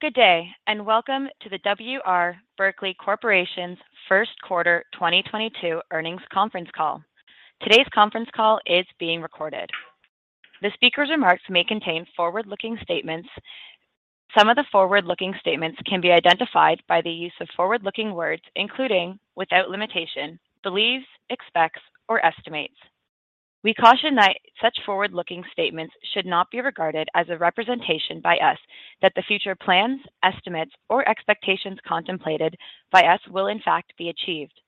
Good day, and welcome to the W. R. Berkley Corporation's Q1 2022 Earnings Conference Call. Today's conference call is being recorded. The speaker's remarks may contain forward-looking statements. Some of the forward-looking statements can be identified by the use of forward-looking words, including, without limitation, believes, expects, or estimates. We caution that such forward-looking statements should not be regarded as a representation by us that the future plans, estimates, or expectations contemplated by us will in fact be achieved.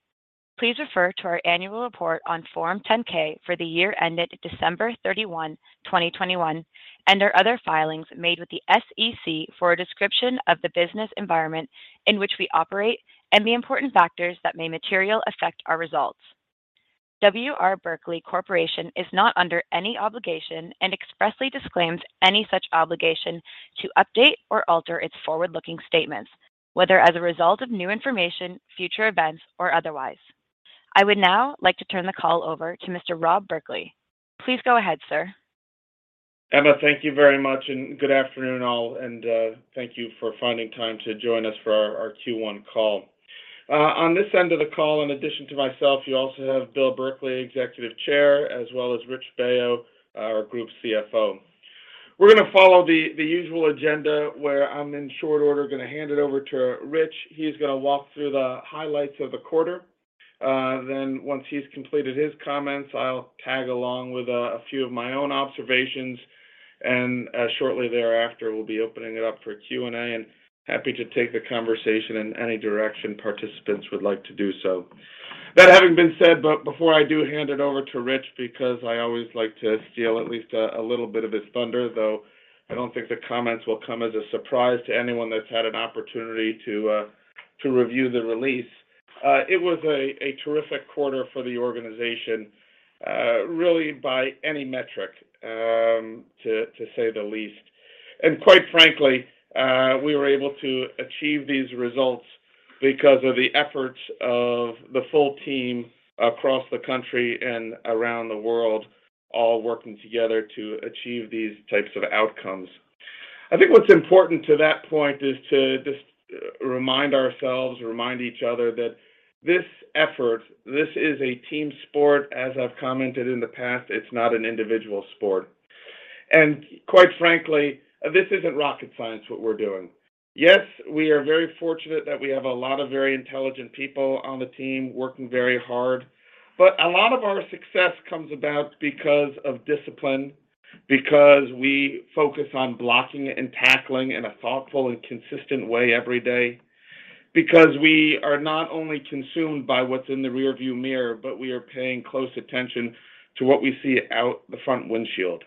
Please refer to our annual report on Form 10-K for the year ended December 31, 2021, and our other filings made with the SEC for a description of the business environment in which we operate and the important factors that may materially affect our results. W. R. Berkley Corporation is not under any obligation and expressly disclaims any such obligation to update or alter its forward-looking statements, whether as a result of new information, future events, or otherwise. I would now like to turn the call over to Mr. Rob Berkley. Please go ahead, sir. Emma, thank you very much, and good afternoon, all, thank you for finding time to join us for our Q1 call. On this end of the call, in addition to myself, you also have Bill Berkley, Executive Chairman, as well as Rich Baio, our Group CFO. We're gonna follow the usual agenda, where I'm in short order gonna hand it over to Rich. He's gonna walk through the highlights of the quarter. Then once he's completed his comments, I'll tag along with a few of my own observations. Shortly thereafter, we'll be opening it up for Q&A. Happy to take the conversation in any direction participants would like to do so. That having been said, but before I do hand it over to Rich, because I always like to steal at least a little bit of his thunder, though I don't think the comments will come as a surprise to anyone that's had an opportunity to review the release. It was a terrific quarter for the organization, really by any metric, to say the least. Quite frankly, we were able to achieve these results because of the efforts of the full team across the country and around the world, all working together to achieve these types of outcomes. I think what's important to that point is to just remind ourselves, remind each other that this effort, this is a team sport, as I've commented in the past. It's not an individual sport. Quite frankly, this isn't rocket science, what we're doing. Yes, we are very fortunate that we have a lot of very intelligent people on the team working very hard, but a lot of our success comes about because of discipline, because we focus on blocking and tackling in a thoughtful and consistent way every day, because we are not only consumed by what's in the rearview mirror, but we are paying close attention to what we see out the front windshield.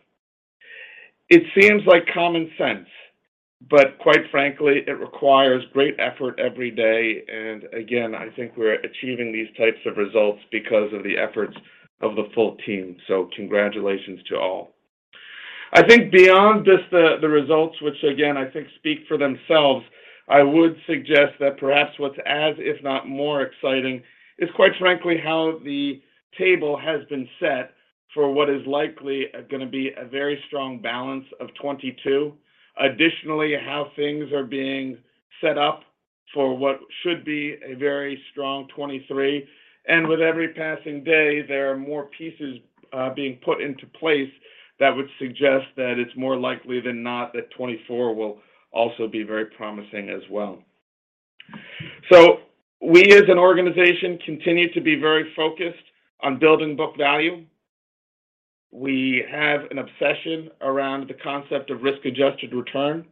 It seems like common sense, but quite frankly, it requires great effort every day. Again, I think we're achieving these types of results because of the efforts of the full team. Congratulations to all. I think beyond just the results, which again, I think speak for themselves, I would suggest that perhaps what's as if not more exciting is quite frankly how the table has been set for what is likely gonna be a very strong balance of 2022. Additionally, how things are being set up for what should be a very strong 2023. With every passing day, there are more pieces being put into place that would suggest that it's more likely than not that 2024 will also be very promising as well. We as an organization continue to be very focused on building book value. We have an obsession around the concept of risk-adjusted return.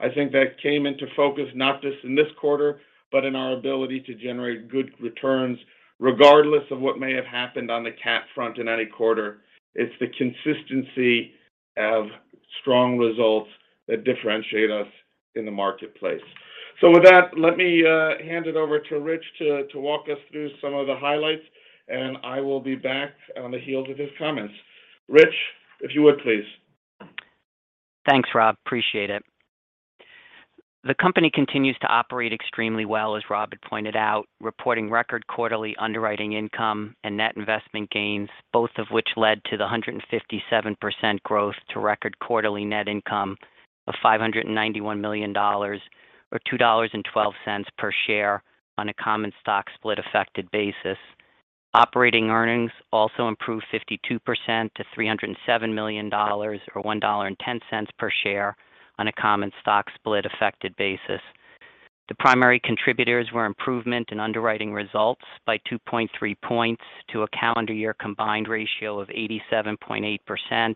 I think that came into focus not just in this quarter, but in our ability to generate good returns regardless of what may have happened on the cat front in any quarter. It's the consistency of strong results that differentiate us in the marketplace. With that, let me hand it over to Rich to walk us through some of the highlights, and I will be back on the heels of his comments. Rich, if you would please. Thanks, Rob. Appreciate it. The company continues to operate extremely well, as Rob had pointed out, reporting record quarterly underwriting income and net investment gains, both of which led to 157% growth to record quarterly net income of $591 million, or $2.12 per share on a common stock split-adjusted basis. Operating earnings also improved 52% to $307 million, or $1.10 per share on a common stock split-adjusted basis. The primary contributors were improvement in underwriting results by 2.3 points to a calendar year combined ratio of 87.8%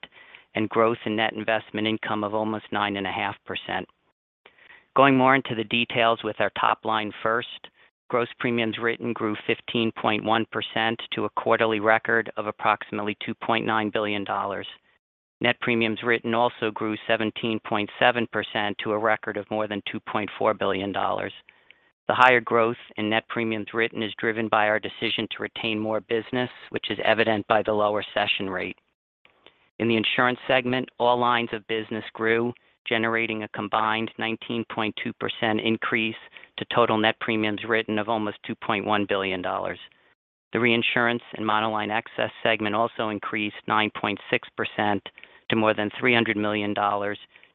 and growth in net investment income of almost 9.5%. Going more into the details with our top line first, gross premiums written grew 15.1% to a quarterly record of approximately $2.9 billion. Net premiums written also grew 17.7% to a record of more than $2.4 billion. The higher growth in net premiums written is driven by our decision to retain more business, which is evident by the lower cession rate. In the insurance segment, all lines of business grew, generating a combined 19.2% increase to total net premiums written of almost $2.1 billion. The reinsurance and monoline excess segment also increased 9.6% to more than $300 million,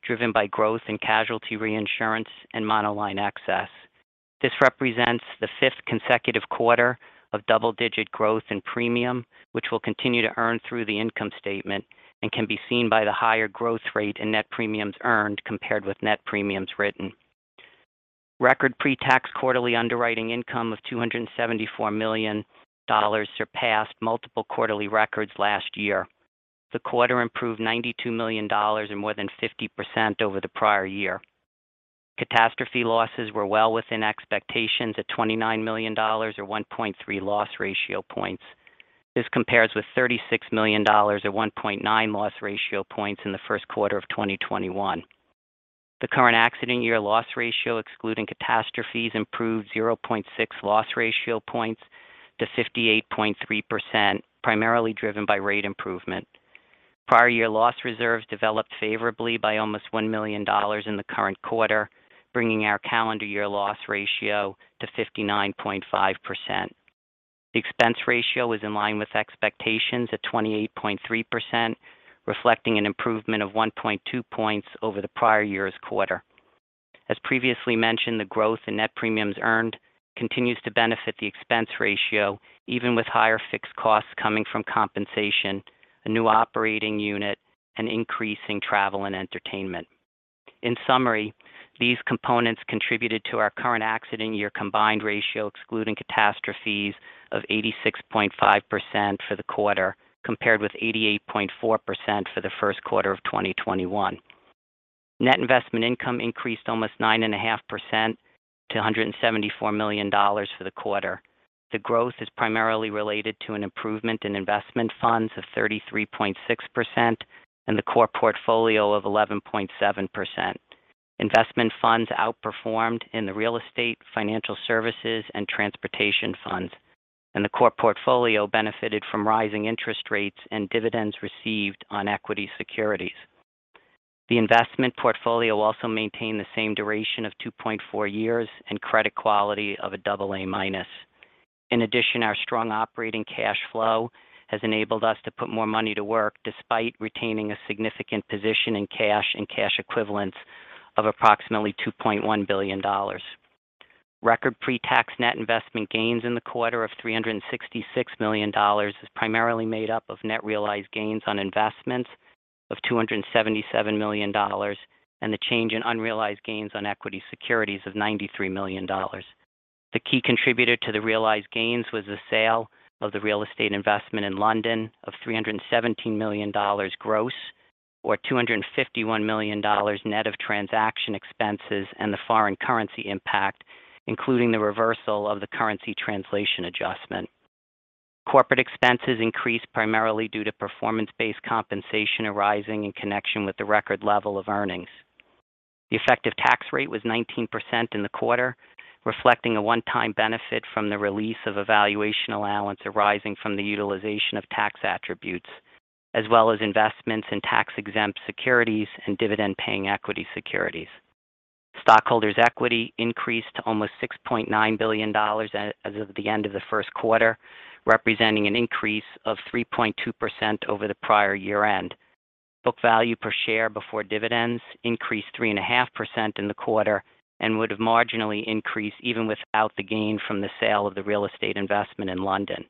driven by growth in casualty reinsurance and monoline excess. This represents the fifth consecutive quarter of double-digit growth in premium, which we'll continue to earn through the income statement and can be seen by the higher growth rate in net premiums earned compared with net premiums written. Record pre-tax quarterly underwriting income of $274 million surpassed multiple quarterly records last year. The quarter improved $92 million or more than 50% over the prior year. Catastrophe losses were well within expectations at $29 million or 1.3 loss ratio points. This compares with $36 million or 1.9 loss ratio points in the Q1 of 2021. The current accident year loss ratio, excluding catastrophes, improved 0.6 loss ratio points to 58.3%, primarily driven by rate improvement. Prior year loss reserves developed favorably by almost $1 million in the current quarter, bringing our calendar year loss ratio to 59.5%. The expense ratio was in line with expectations at 28.3%, reflecting an improvement of 1.2 points over the prior year's quarter. As previously mentioned, the growth in net premiums earned continues to benefit the expense ratio, even with higher fixed costs coming from compensation, a new operating unit, and increasing travel and entertainment. In summary, these components contributed to our current accident year combined ratio excluding catastrophes of 86.5% for the quarter, compared with 88.4% for the Q1 of 2021. Net investment income increased almost 9.5% to $174 million for the quarter. The growth is primarily related to an improvement in investment funds of 33.6% and the core portfolio of 11.7%. Investment funds outperformed in the real estate, financial services, and transportation funds, and the core portfolio benefited from rising interest rates and dividends received on equity securities. The investment portfolio also maintained the same duration of 2.4 years and credit quality of AA-. In addition, our strong operating cash flow has enabled us to put more money to work despite retaining a significant position in cash and cash equivalents of approximately $2.1 billion. Record pre-tax net investment gains in the quarter of $366 million is primarily made up of net realized gains on investments of $277 million and the change in unrealized gains on equity securities of $93 million. The key contributor to the realized gains was the sale of the real estate investment in London of $317 million gross or $251 million net of transaction expenses and the foreign currency impact, including the reversal of the currency translation adjustment. Corporate expenses increased primarily due to performance-based compensation arising in connection with the record level of earnings. The effective tax rate was 19% in the quarter, reflecting a one-time benefit from the release of a valuation allowance arising from the utilization of tax attributes, as well as investments in tax-exempt securities and dividend-paying equity securities. Stockholders' equity increased to almost $6.9 billion as of the end of the Q1, representing an increase of 3.2% over the prior year-end. Book value per share before dividends increased 3.5% in the quarter and would have marginally increased even without the gain from the sale of the real estate investment in London.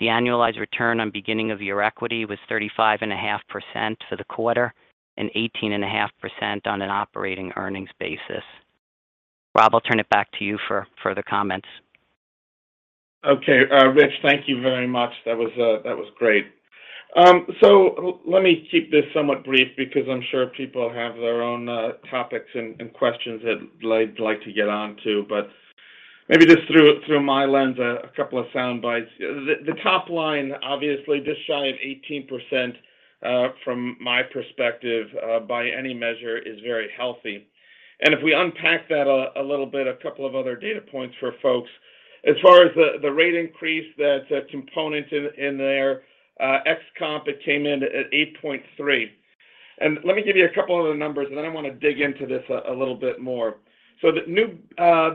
The annualized return on beginning of year equity was 35.5% for the quarter and 18.5% on an operating earnings basis. Rob, I'll turn it back to you for further comments. Okay. Rich, thank you very much. That was great. Let me keep this somewhat brief because I'm sure people have their own topics and questions that they'd like to get onto. But maybe just through my lens, a couple of sound bites. The top line, obviously just shy of 18%, from my perspective, by any measure is very healthy. If we unpack that a little bit, a couple of other data points for folks. As far as the rate increase that component in there, ex-comp, it came in at 8.3%. Let me give you a couple other numbers, and then I want to dig into this a little bit more. The new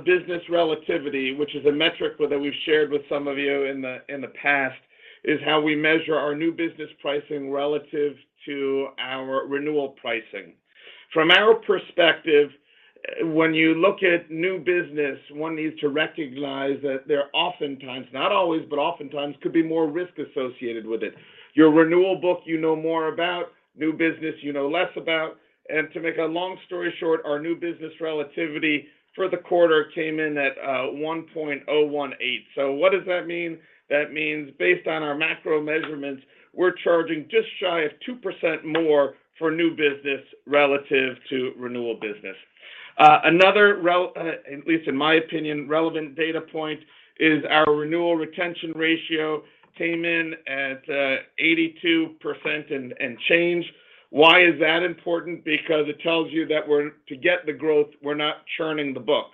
business relativity, which is a metric that we've shared with some of you in the past, is how we measure our new business pricing relative to our renewal pricing. From our perspective, when you look at new business, one needs to recognize that there oftentimes, not always, but oftentimes could be more risk associated with it. Your renewal book you know more about, new business you know less about. To make a long story short, our new business relativity for the quarter came in at 1.018%. What does that mean? That means based on our macro measurements, we're charging just shy of 2% more for new business relative to renewal business. Another relevant data point is our renewal retention ratio came in at 82% and change. Why is that important? Because it tells you that to get the growth, we're not churning the book.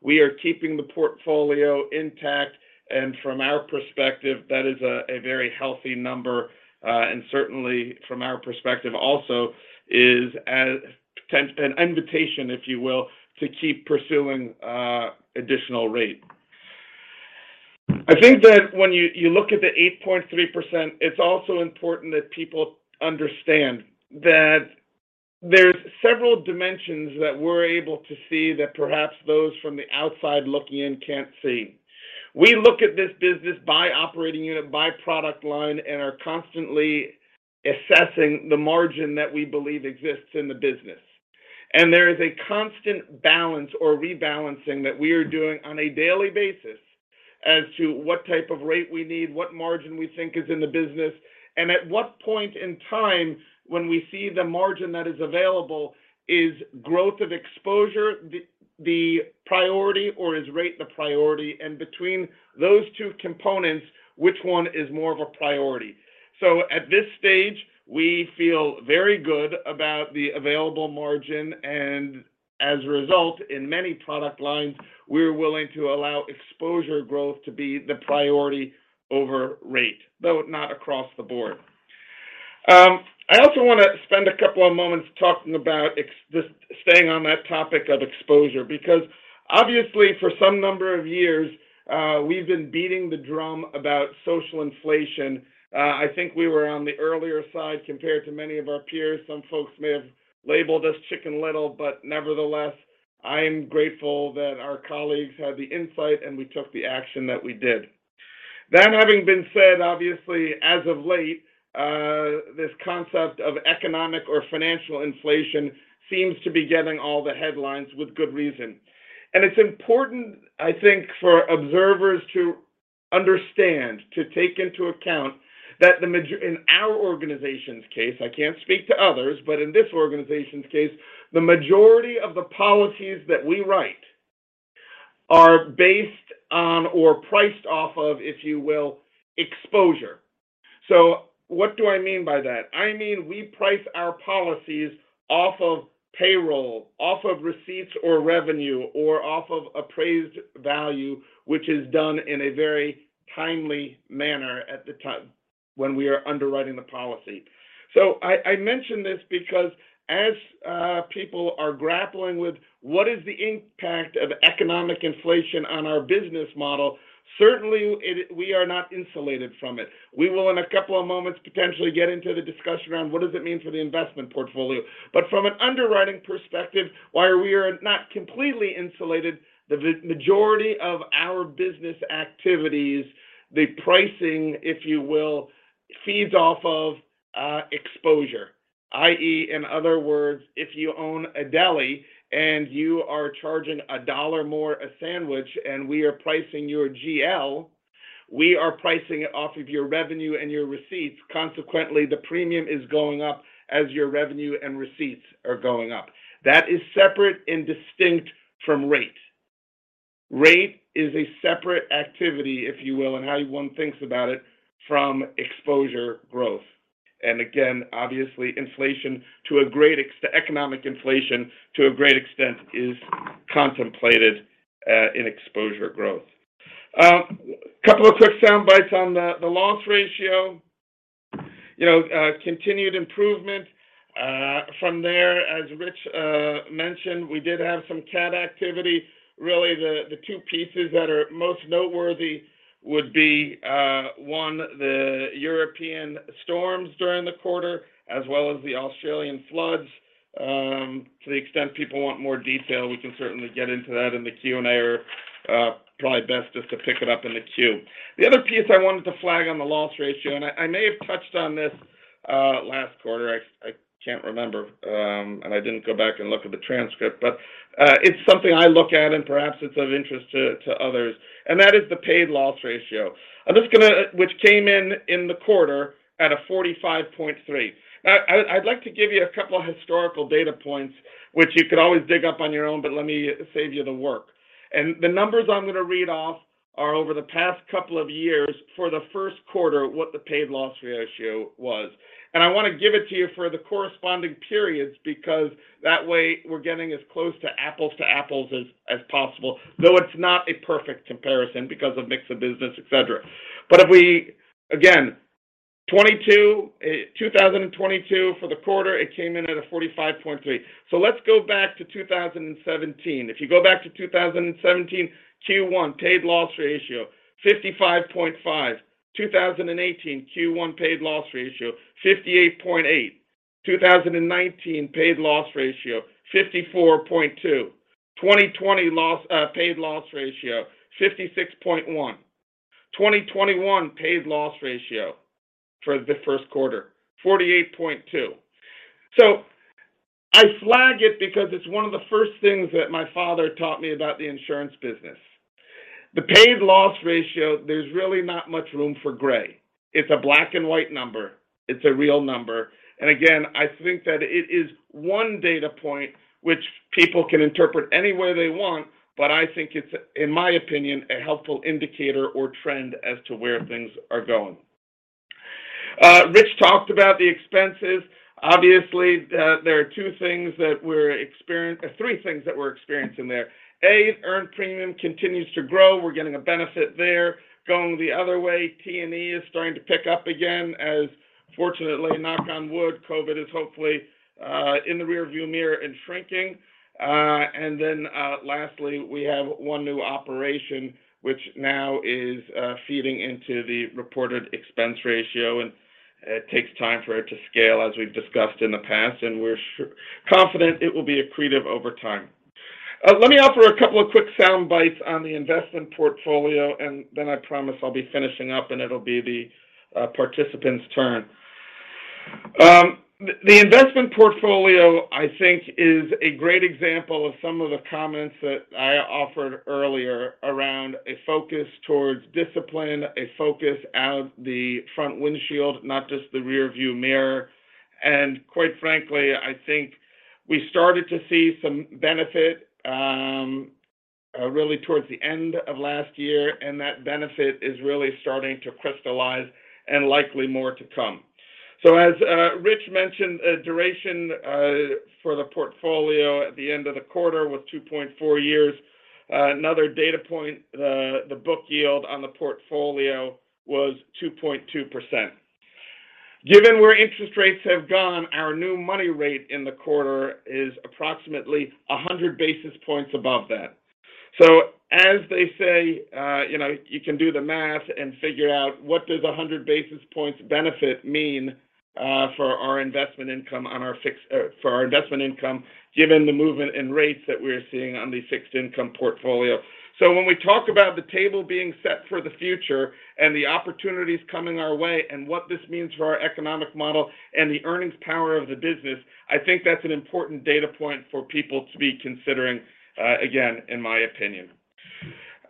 We are keeping the portfolio intact, and from our perspective, that is a very healthy number. And certainly, from our perspective also is an invitation, if you will, to keep pursuing additional rate. I think that when you look at the 8.3%, it's also important that people understand that there's several dimensions that we're able to see that perhaps those from the outside looking in can't see. We look at this business by operating unit, by product line, and are constantly assessing the margin that we believe exists in the business. There is a constant balance or rebalancing that we are doing on a daily basis as to what type of rate we need, what margin we think is in the business, and at what point in time when we see the margin that is available, is growth of exposure the priority, or is rate the priority? Between those two components, which one is more of a priority? At this stage, we feel very good about the available margin, and as a result, in many product lines, we're willing to allow exposure growth to be the priority over rate, though not across the board. I also wanna spend a couple of moments talking about just staying on that topic of exposure, because obviously for some number of years, we've been beating the drum about social inflation. I think we were on the earlier side compared to many of our peers. Some folks may have labeled us Chicken Little, but nevertheless, I'm grateful that our colleagues had the insight and we took the action that we did. That having been said, obviously as of late, this concept of economic or financial inflation seems to be getting all the headlines with good reason. It's important, I think, for observers to understand, to take into account that in our organization's case, I can't speak to others, but in this organization's case, the majority of the policies that we write are based on or priced off of, if you will, exposure. What do I mean by that? I mean, we price our policies off of payroll, off of receipts or revenue or off of appraised value, which is done in a very timely manner at the time when we are underwriting the policy. I mention this because as people are grappling with what is the impact of economic inflation on our business model, certainly it—we are not insulated from it. We will, in a couple of moments, potentially get into the discussion around what does it mean for the investment portfolio. From an underwriting perspective, while we are not completely insulated, the majority of our business activities, the pricing, if you will, feeds off of exposure. i.e., in other words, if you own a deli and you are charging a dollar more a sandwich and we are pricing your GL, we are pricing it off of your revenue and your receipts. Consequently, the premium is going up as your revenue and receipts are going up. That is separate and distinct from rate. Rate is a separate activity, if you will, and how one thinks about it from exposure growth. Again, obviously, economic inflation to a great extent is contemplated in exposure growth. Couple of quick sound bites on the loss ratio. Continued improvement. From there, as Rich mentioned, we did have some CAT activity. Really the two pieces that are most noteworthy would be one, the European storms during the quarter as well as the Australian floods. To the extent people want more detail, we can certainly get into that in the Q&A, or probably best just to pick it up in the Q. The other piece I wanted to flag on the loss ratio, and I may have touched on this last quarter, I can't remember, and I didn't go back and look at the transcript, but it's something I look at and perhaps it's of interest to others, and that is the paid loss ratio. I'm just gonna, which came in in the quarter at 45.3%. Now, I'd like to give you a couple of historical data points, which you could always dig up on your own, but let me save you the work. The numbers I'm gonna read off are over the past couple of years for the Q1, what the paid loss ratio was. I wanna give it to you for the corresponding periods because that way, we're getting as close to apples to apples as possible, though it's not a perfect comparison because of mix of business, et cetera. If we, again, 2022 for the quarter, it came in at 45.3%. Let's go back to 2017. If you go back to 2017, Q1 paid loss ratio, 55.5%. 2018, Q1 paid loss ratio, 58.8%. 2019 paid loss ratio, 54.2%. 2020 paid loss ratio, 56.1%. 2021 paid loss ratio for the Q1, 48.2%. I flag it because it's one of the first things that my father taught me about the insurance business. The paid loss ratio, there's really not much room for gray. It's a black and white number. It's a real number. Again, I think that it is one data point which people can interpret any way they want, but I think it's, in my opinion, a helpful indicator or trend as to where things are going. Rich talked about the expenses. Obviously, there are three things that we're experiencing there. An earned premium continues to grow. We're getting a benefit there. Going the other way, T&E is starting to pick up again as, fortunately, knock on wood, COVID is hopefully in the rearview mirror and shrinking. Lastly, we have one new operation, which now is feeding into the reported expense ratio, and it takes time for it to scale as we've discussed in the past, and we're confident it will be accretive over time. Let me offer a couple of quick sound bites on the investment portfolio, and then I promise I'll be finishing up, and it'll be the participants' turn. The investment portfolio, I think, is a great example of some of the comments that I offered earlier around a focus towards discipline, a focus out the front windshield, not just the rear-view mirror. Quite frankly, I think we started to see some benefit really towards the end of last year, and that benefit is really starting to crystallize and likely more to come. As Rich mentioned, duration for the portfolio at the end of the quarter was 2.4 years. Another data point, the book yield on the portfolio was 2.2%. Given where interest rates have gone, our new money rate in the quarter is approximately 100 basis points above that. As they say, you know, you can do the math and figure out what does a 100 basis points benefit mean for our investment income given the movement in rates that we're seeing on the fixed income portfolio. When we talk about the table being set for the future and the opportunities coming our way and what this means for our economic model and the earnings power of the business, I think that's an important data point for people to be considering, again, in my opinion.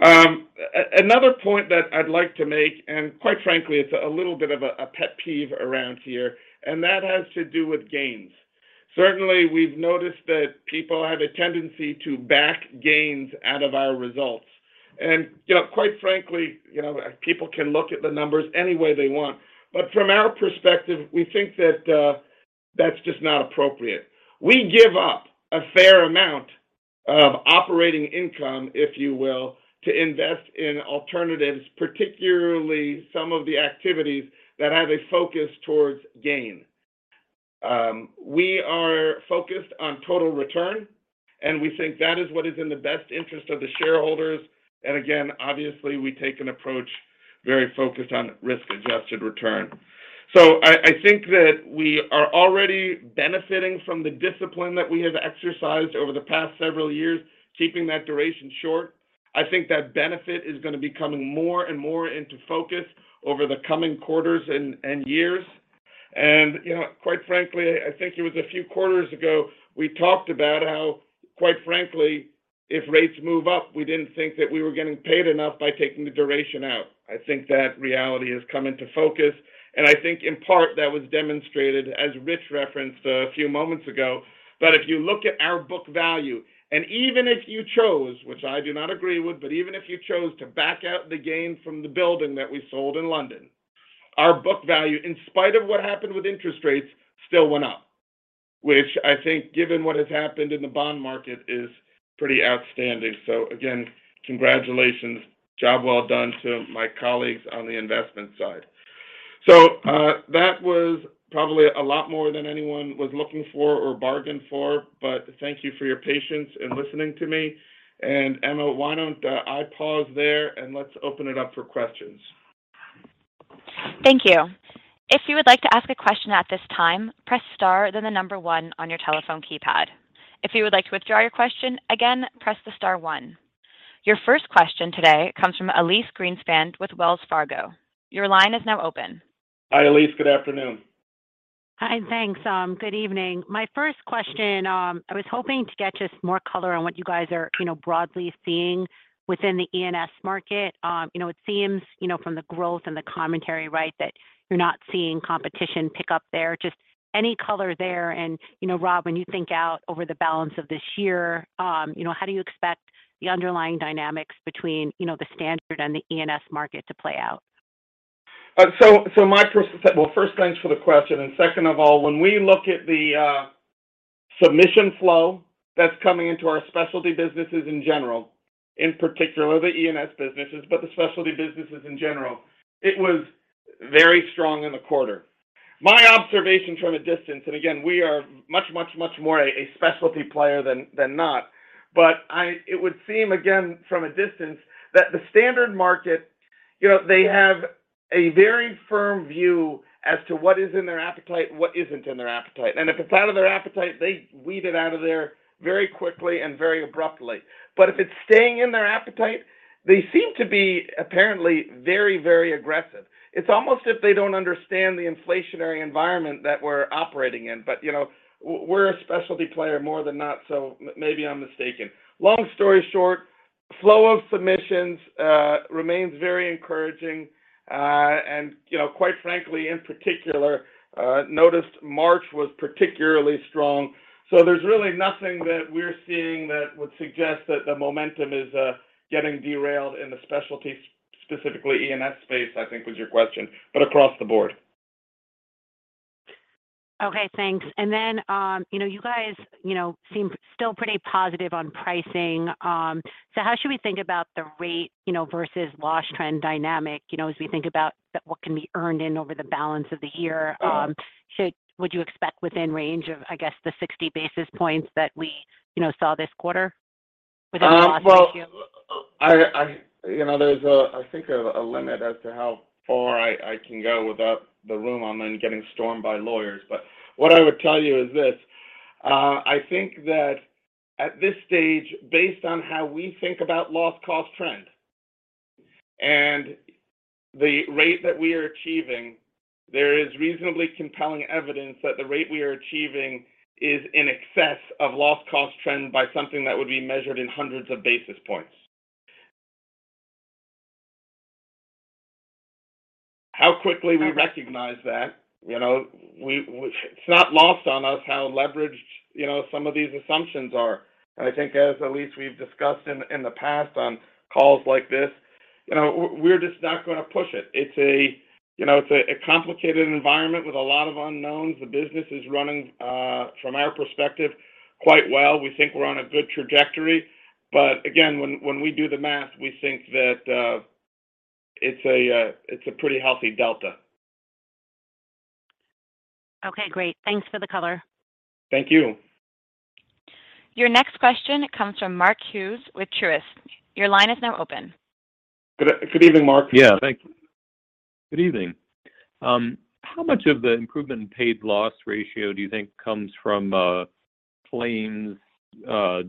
Another point that I'd like to make, and quite frankly, it's a little bit of a pet peeve around here, and that has to do with gains. Certainly, we've noticed that people have a tendency to back gains out of our results. You know, quite frankly, you know, people can look at the numbers any way they want. From our perspective, we think that that's just not appropriate. We give up a fair amount of operating income, if you will, to invest in alternatives, particularly some of the activities that have a focus towards gain. We are focused on total return, and we think that is what is in the best interest of the shareholders. Again, obviously, we take an approach very focused on risk-adjusted return. I think that we are already benefiting from the discipline that we have exercised over the past several years, keeping that duration short. I think that benefit is going to be coming more and more into focus over the coming quarters and years. You know, quite frankly, I think it was a few quarters ago, we talked about how, quite frankly, if rates move up, we didn't think that we were getting paid enough by taking the duration out. I think that reality has come into focus, and I think in part that was demonstrated as Rich referenced a few moments ago, that if you look at our book value, and even if you chose, which I do not agree with, but even if you chose to back out the gain from the building that we sold in London, our book value, in spite of what happened with interest rates, still went up, which I think given what has happened in the bond market is pretty outstanding. Again, congratulations. Job well done to my colleagues on the investment side. That was probably a lot more than anyone was looking for or bargained for. Thank you for your patience in listening to me. Emma, why don't I pause there, and let's open it up for questions. Thank you. If you would like to ask a question at this time, press star, then the number one on your telephone keypad. If you would like to withdraw your question, again, press the star one. Your first question today comes from Elyse Greenspan with Wells Fargo. Your line is now open. Hi, Elyse. Good afternoon. Hi. Thanks. Good evening. My first question, I was hoping to get just more color on what you guys are, you know, broadly seeing within the E&S market. You know, it seems, you know, from the growth and the commentary, right, that you're not seeing competition pick up there. Just any color there. You know, Rob, when you think out over the balance of this year, you know, how do you expect the underlying dynamics between, you know, the standard and the E&S market to play out? Well, first, thanks for the question. Second of all, when we look at the submission flow that's coming into our specialty businesses in general, in particular the E&S businesses, but the specialty businesses in general, it was very strong in the quarter. My observation from a distance, and again, we are much more a specialty player than not, but it would seem again from a distance that the standard market, you know, they have a very firm view as to what is in their appetite and what isn't in their appetite. If it's out of their appetite, they weed it out of there very quickly and very abruptly. If it's staying in their appetite, they seem to be apparently very aggressive. It's almost as if they don't understand the inflationary environment that we're operating in. You know, we're a specialty player more than not, so maybe I'm mistaken. Long story short, flow of submissions remains very encouraging. You know, quite frankly, in particular, noticed March was particularly strong. There's really nothing that we're seeing that would suggest that the momentum is getting derailed in the specialty, specifically E&S space, I think was your question, but across the board. Okay, thanks. You know, you guys, you know, seem still pretty positive on pricing. How should we think about the rate, you know, versus loss trend dynamic, you know, as we think about that what can be earned in over the balance of the year? Would you expect within range of, I guess, the 60 basis points that we, you know, saw this quarter within the last few- Well, you know, there's a limit as to how far I can go without the room I'm in getting stormed by lawyers. What I would tell you is this. I think that at this stage, based on how we think about loss cost trend and the rate that we are achieving, there is reasonably compelling evidence that the rate we are achieving is in excess of loss cost trend by something that would be measured in hundreds of basis points. How quickly we recognize that, you know, It's not lost on us how leveraged, you know, some of these assumptions are. I think, as Elyse we've discussed in the past on calls like this, you know, we're just not gonna push it. It's a, you know, it's a complicated environment with a lot of unknowns. The business is running from our perspective quite well. We think we're on a good trajectory. Again, when we do the math, we think that it's a pretty healthy delta. Okay, great. Thanks for the color. Thank you. Your next question comes from Mark Hughes with Truist. Your line is now open. Good evening, Mark. Yeah. Thank you. Good evening. How much of the improvement in paid loss ratio do you think comes from claims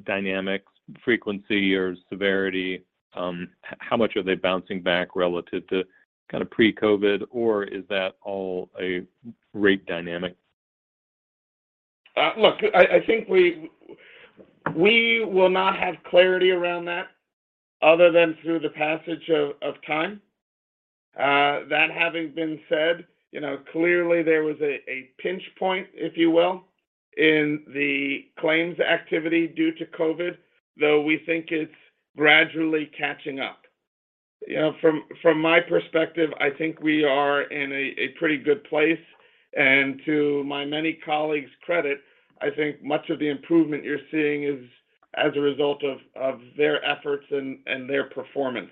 dynamics, frequency or severity? How much are they bouncing back relative to kind of pre-COVID, or is that all a rate dynamic? Look, I think we will not have clarity around that other than through the passage of time. That having been said, you know, clearly there was a pinch point, if you will, in the claims activity due to COVID, though we think it's gradually catching up. You know, from my perspective, I think we are in a pretty good place, and to my many colleagues' credit, I think much of the improvement you're seeing is as a result of their efforts and their performance.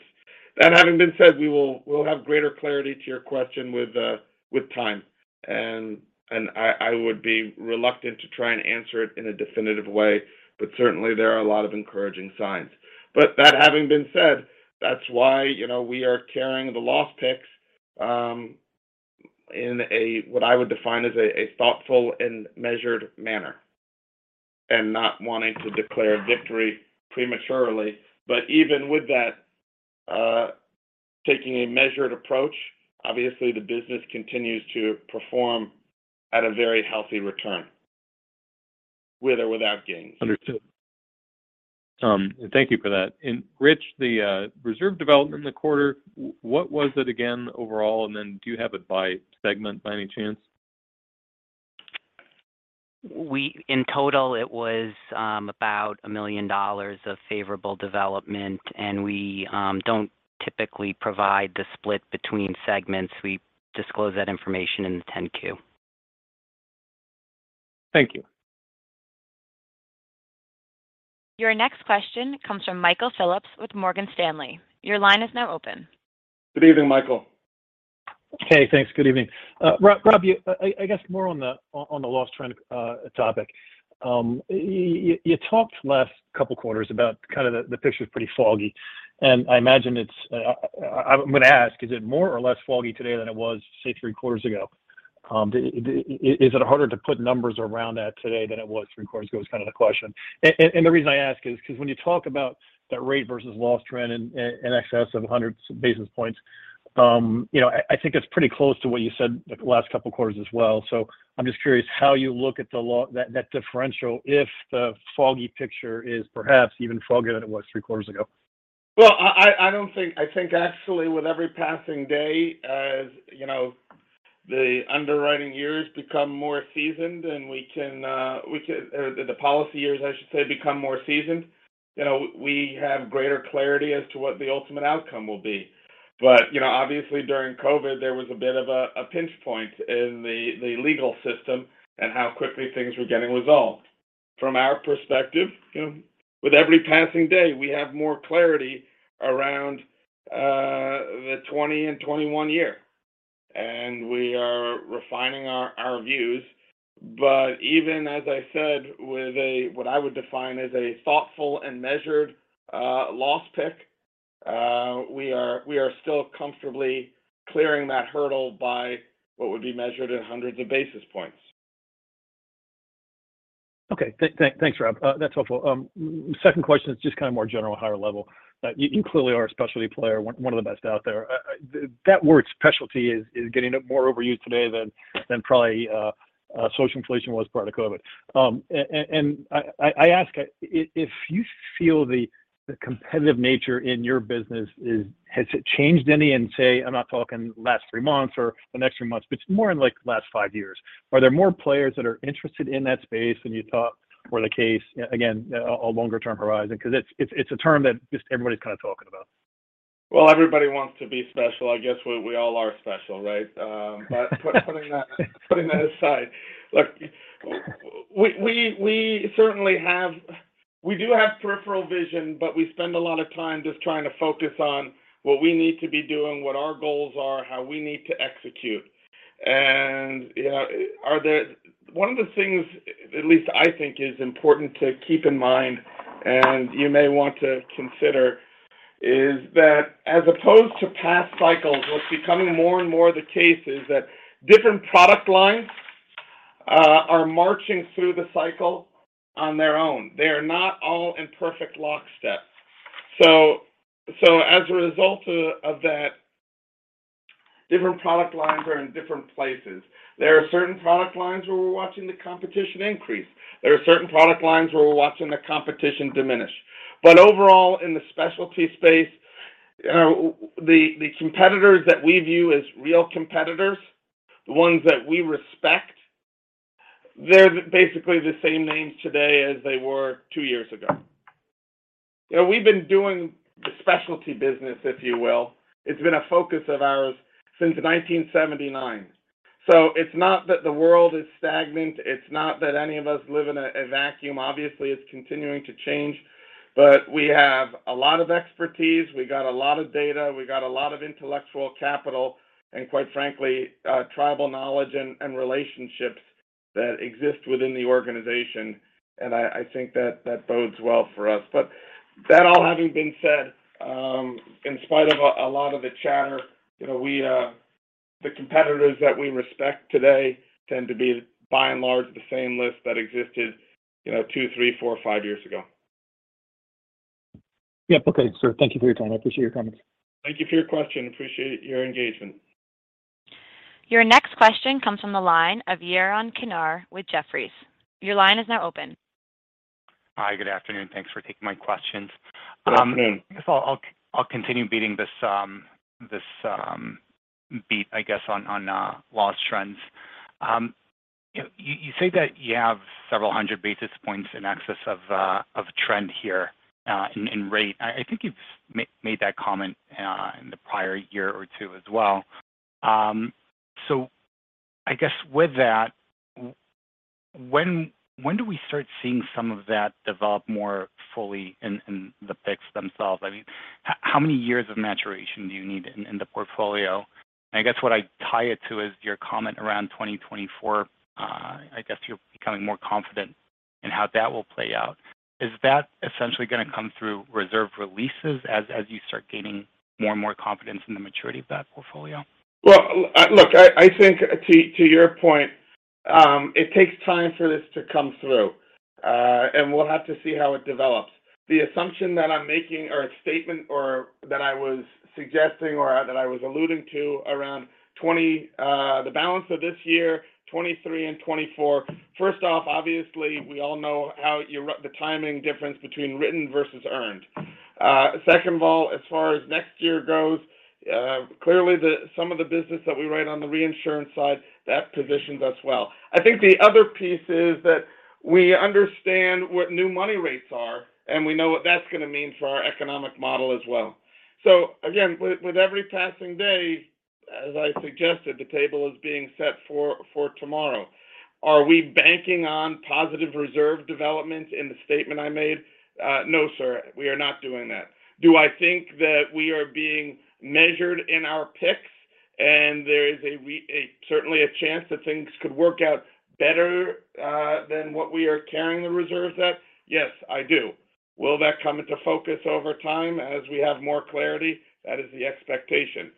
That having been said, we'll have greater clarity to your question with time, and I would be reluctant to try and answer it in a definitive way, but certainly there are a lot of encouraging signs. That having been said, that's why, you know, we are carrying the loss picks in a what I would define as a thoughtful and measured manner and not wanting to declare victory prematurely. Even with that, taking a measured approach, obviously the business continues to perform at a very healthy return, with or without gains. Understood. Thank you for that. Rich, the reserve development in the quarter, what was it again overall? Then do you have it by segment, by any chance? In total, it was about $1 million of favorable development, and we don't typically provide the split between segments. We disclose that information in the 10-Q. Thank you. Your next question comes from Michael Phillips with Morgan Stanley. Your line is now open. Good evening, Michael. Hey, thanks. Good evening. Rob, I guess more on the loss trend topic. You talked last couple quarters about kind of the picture's pretty foggy, and I imagine it's. I'm gonna ask, is it more or less foggy today than it was, say, three quarters ago? Is it harder to put numbers around that today than it was three quarters ago, is kind of the question. The reason I ask is 'cause when you talk about that rate versus loss trend in excess of hundreds of basis points, you know, I think it's pretty close to what you said, like, the last couple quarters as well. I'm just curious how you look at that differential if the foggy picture is perhaps even foggier than it was three quarters ago. Well, I think actually with every passing day, as you know, the underwriting years become more seasoned or the policy years, I should say, become more seasoned, you know, we have greater clarity as to what the ultimate outcome will be. You know, obviously during COVID, there was a bit of a pinch point in the legal system and how quickly things were getting resolved. From our perspective, you know, with every passing day, we have more clarity around the 2020 and 2021 year, and we are refining our views. Even as I said, with what I would define as a thoughtful and measured loss pick, we are still comfortably clearing that hurdle by what would be measured in hundreds of basis points. Thanks, Rob. That's helpful. Second question is just kind of more general, higher level. You clearly are a specialty player, one of the best out there. That word specialty is getting more overused today than probably social inflation was prior to COVID. And I ask if you feel the competitive nature in your business has changed any in, say, I'm not talking last three months or the next three months, but more in like the last five years. Are there more players that are interested in that space than you thought were the case, again, a longer-term horizon? 'Cause it's a term that just everybody's kind of talking about. Well, everybody wants to be special. I guess we all are special, right? But putting that aside. Look, we certainly have peripheral vision, but we spend a lot of time just trying to focus on what we need to be doing, what our goals are, how we need to execute. You know, one of the things at least I think is important to keep in mind, and you may want to consider, is that as opposed to past cycles, what's becoming more and more the case is that different product lines are marching through the cycle on their own. They are not all in perfect lockstep. As a result of that, different product lines are in different places. There are certain product lines where we're watching the competition increase. There are certain product lines where we're watching the competition diminish. Overall, in the specialty space, you know, the competitors that we view as real competitors, the ones that we respect, they're basically the same names today as they were two years ago. You know, we've been doing the specialty business, if you will. It's been a focus of ours since 1979. It's not that the world is stagnant. It's not that any of us live in a vacuum. Obviously, it's continuing to change. We have a lot of expertise. We got a lot of data. We got a lot of intellectual capital and, quite frankly, tribal knowledge and relationships that exist within the organization. I think that bodes well for us. That all having been said, in spite of a lot of the chatter, you know, the competitors that we respect today tend to be by and large the same list that existed, you know, two, three, four, five years ago. Yep. Okay, sir. Thank you for your time. I appreciate your comments. Thank you for your question. Appreciate your engagement. Your next question comes from the line of Yaron Kinar with Jefferies. Your line is now open. Hi. Good afternoon. Thanks for taking my questions. Good afternoon. I guess I'll continue beating this beat, I guess, on loss trends. You say that you have several hundred basis points in excess of trend here in rate. I think you've made that comment in the prior year or two as well. I guess with that, when do we start seeing some of that develop more fully in the P&Cs themselves? I mean, how many years of maturation do you need in the portfolio? I guess what I tie it to is your comment around 2024. I guess you're becoming more confident in how that will play out. Is that essentially gonna come through reserve releases as you start gaining more and more confidence in the maturity of that portfolio? Well, look, I think to your point, it takes time for this to come through, and we'll have to see how it develops. The assumption that I'm making or a statement or that I was suggesting or that I was alluding to around the balance of this year, 2023 and 2024, first off, obviously, we all know the timing difference between written versus earned. Second of all, as far as next year goes, clearly, some of the business that we write on the reinsurance side, that positions us well. I think the other piece is that we understand what new money rates are, and we know what that's gonna mean for our economic model as well. Again, with every passing day, as I suggested, the table is being set for tomorrow. Are we banking on positive reserve developments in the statement I made? No, sir, we are not doing that. Do I think that we are being measured in our picks and there is certainly a chance that things could work out better than what we are carrying the reserves at? Yes, I do. Will that come into focus over time as we have more clarity? That is the expectation.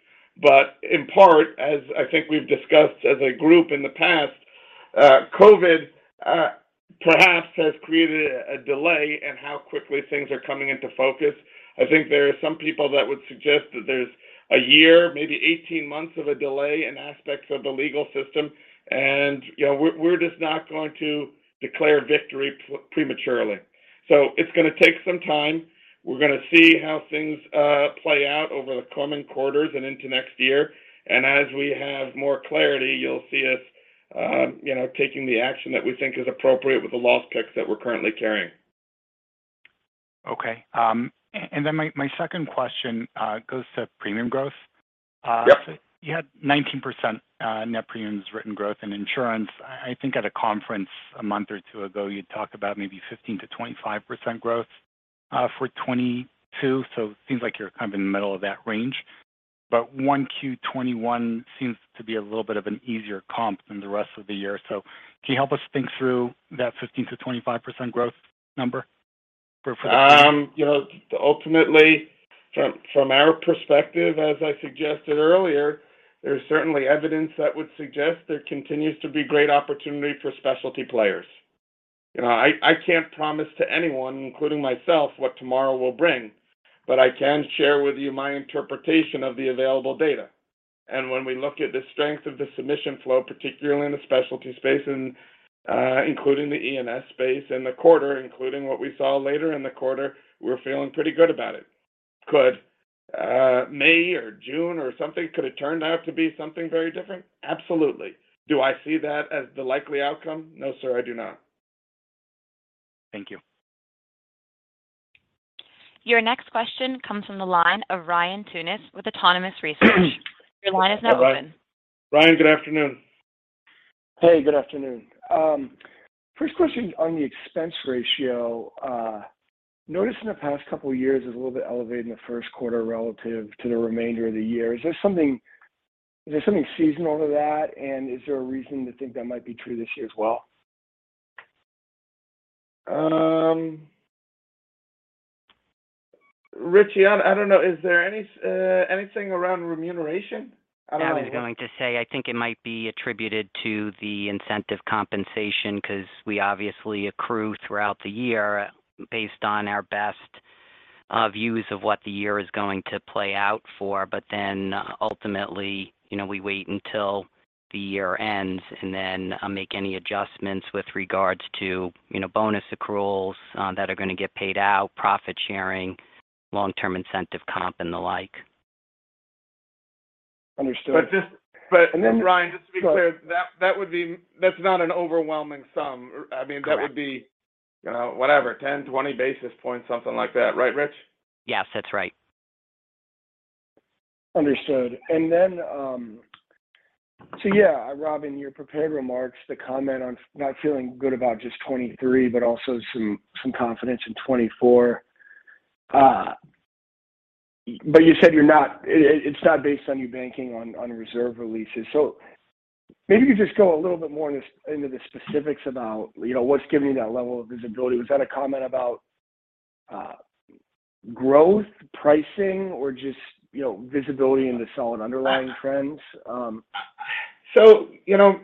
In part, as I think we've discussed as a group in the past, COVID perhaps has created a delay in how quickly things are coming into focus. I think there are some people that would suggest that there's a year, maybe 18 months of a delay in aspects of the legal system. You know, we're just not going to declare victory prematurely. It's gonna take some time. We're gonna see how things play out over the coming quarters and into next year. As we have more clarity, you'll see us, you know, taking the action that we think is appropriate with the loss picks that we're currently carrying. Okay. My second question goes to premium growth. Yep. You had 19% net premiums written growth in insurance. I think at a conference a month or two ago, you talked about maybe 15%-25% growth for 2022. Seems like you're kind of in the middle of that range. 1Q 2021 seems to be a little bit of an easier comp than the rest of the year. Can you help us think through that 15%-25% growth number for- You know, ultimately from our perspective, as I suggested earlier, there's certainly evidence that would suggest there continues to be great opportunity for specialty players. You know, I can't promise to anyone, including myself, what tomorrow will bring, but I can share with you my interpretation of the available data. When we look at the strength of the submission flow, particularly in the specialty space and including the E&S space in the quarter, including what we saw later in the quarter, we're feeling pretty good about it. Could May or June or something, could it turn out to be something very different? Absolutely. Do I see that as the likely outcome? No, sir, I do not. Thank you. Your next question comes from the line of Ryan Tunis with Autonomous Research. Your line is now open. Hi, Ryan. Ryan, good afternoon. Hey, good afternoon. First question on the expense ratio. Noticed in the past couple years it was a little bit elevated in the Q1 relative to the remainder of the year. Is there something seasonal to that, and is there a reason to think that might be true this year as well? Rich, I don't know, is there anything around remuneration? I don't know. I was going to say, I think it might be attributed to the incentive compensation, 'cause we obviously accrue throughout the year based on our best views of what the year is going to play out for. But then ultimately, you know, we wait until the year ends, and then make any adjustments with regards to, you know, bonus accruals that are gonna get paid out, profit sharing, long-term incentive comp and the like. Understood. But just- And then- Ryan, just to be clear. Go ahead. That would be. That's not an overwhelming sum. I mean Correct that would be, you know, whatever, 10, 20 basis points, something like that. Right, Rich? Yes, that's right. Understood. So yeah, Rob, in your prepared remarks, the comment on not feeling good about just 2023, but also some confidence in 2024. But you said you're not. It's not based on you banking on reserve releases. Maybe just go a little bit more into the specifics about, you know, what's giving you that level of visibility. Was that a comment about growth, pricing or just, you know, visibility into solid underlying trends? You know,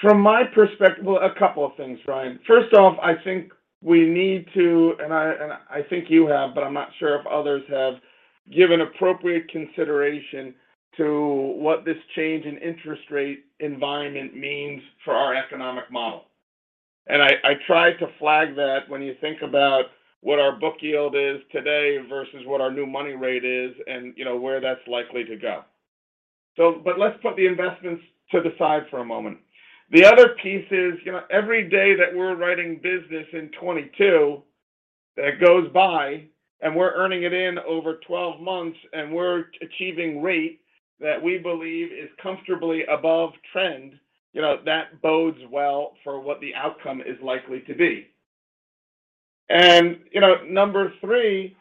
from my perspective. Well, a couple of things, Ryan. First off, I think we need to, and I think you have, but I'm not sure if others have, give an appropriate consideration to what this change in interest rate environment means for our economic model, and I tried to flag that when you think about what our book yield is today versus what our new money rate is and, you know, where that's likely to go. Let's put the investments to the side for a moment. The other piece is, you know, every day that we're writing business in 2022 that goes by and we're earning it in over 12 months, and we're achieving rate that we believe is comfortably above trend, you know, that bodes well for what the outcome is likely to be. You know, number three,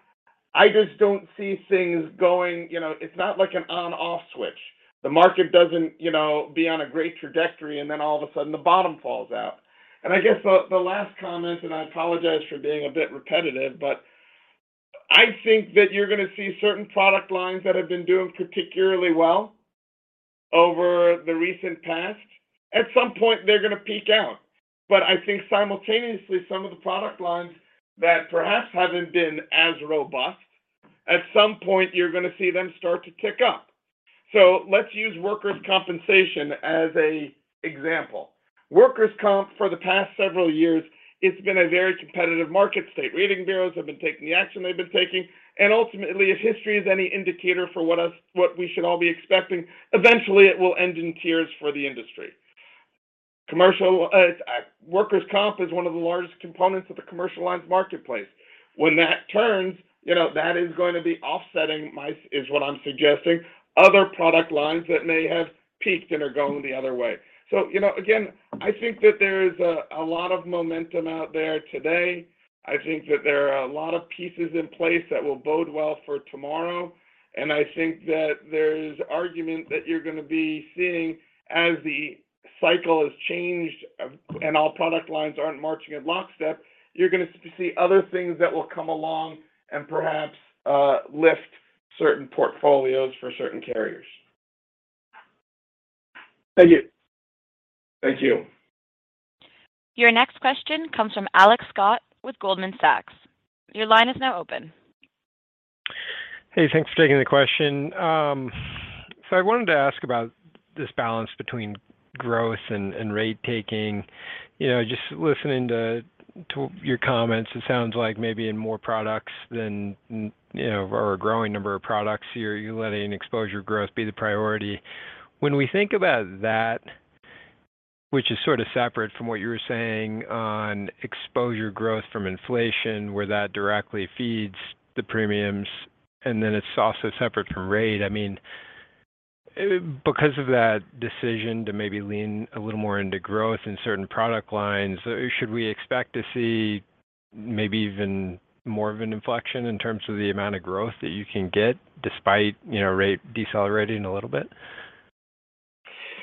I just don't see things going, you know. It's not like an on/off switch. The market doesn't, you know, be on a great trajectory, and then all of a sudden the bottom falls out. I guess the last comment, and I apologize for being a bit repetitive, but I think that you're gonna see certain product lines that have been doing particularly well over the recent past. At some point they're gonna peak out. I think simultaneously some of the product lines that perhaps haven't been as robust, at some point you're gonna see them start to tick up. Let's use workers' compensation as an example. Workers' comp for the past several years, it's been a very competitive market state. Rating bureaus have been taking the action they've been taking. Ultimately, if history is any indicator for what we should all be expecting, eventually it will end in tears for the industry. Commercial workers' comp is one of the largest components of the commercial lines marketplace. When that turns, you know, that is going to be offsetting other product lines that may have peaked and are going the other way. That is what I'm suggesting. You know, again, I think that there is a lot of momentum out there today. I think that there are a lot of pieces in place that will bode well for tomorrow. I think that there's argument that you're gonna be seeing as the cycle has changed and all product lines aren't marching in lockstep, you're gonna see other things that will come along and perhaps lift certain portfolios for certain carriers. Thank you. Thank you. Your next question comes from Alex Scott with Goldman Sachs. Your line is now open. Hey, thanks for taking the question. So I wanted to ask about this balance between growth and rate taking. You know, just listening to your comments, it sounds like maybe in more products you know, or a growing number of products, you're letting exposure growth be the priority. When we think about that, which is sort of separate from what you were saying on exposure growth from inflation, where that directly feeds the premiums, and then it's also separate from rate. I mean, because of that decision to maybe lean a little more into growth in certain product lines, should we expect to see maybe even more of an inflection in terms of the amount of growth that you can get despite, you know, rate decelerating a little bit?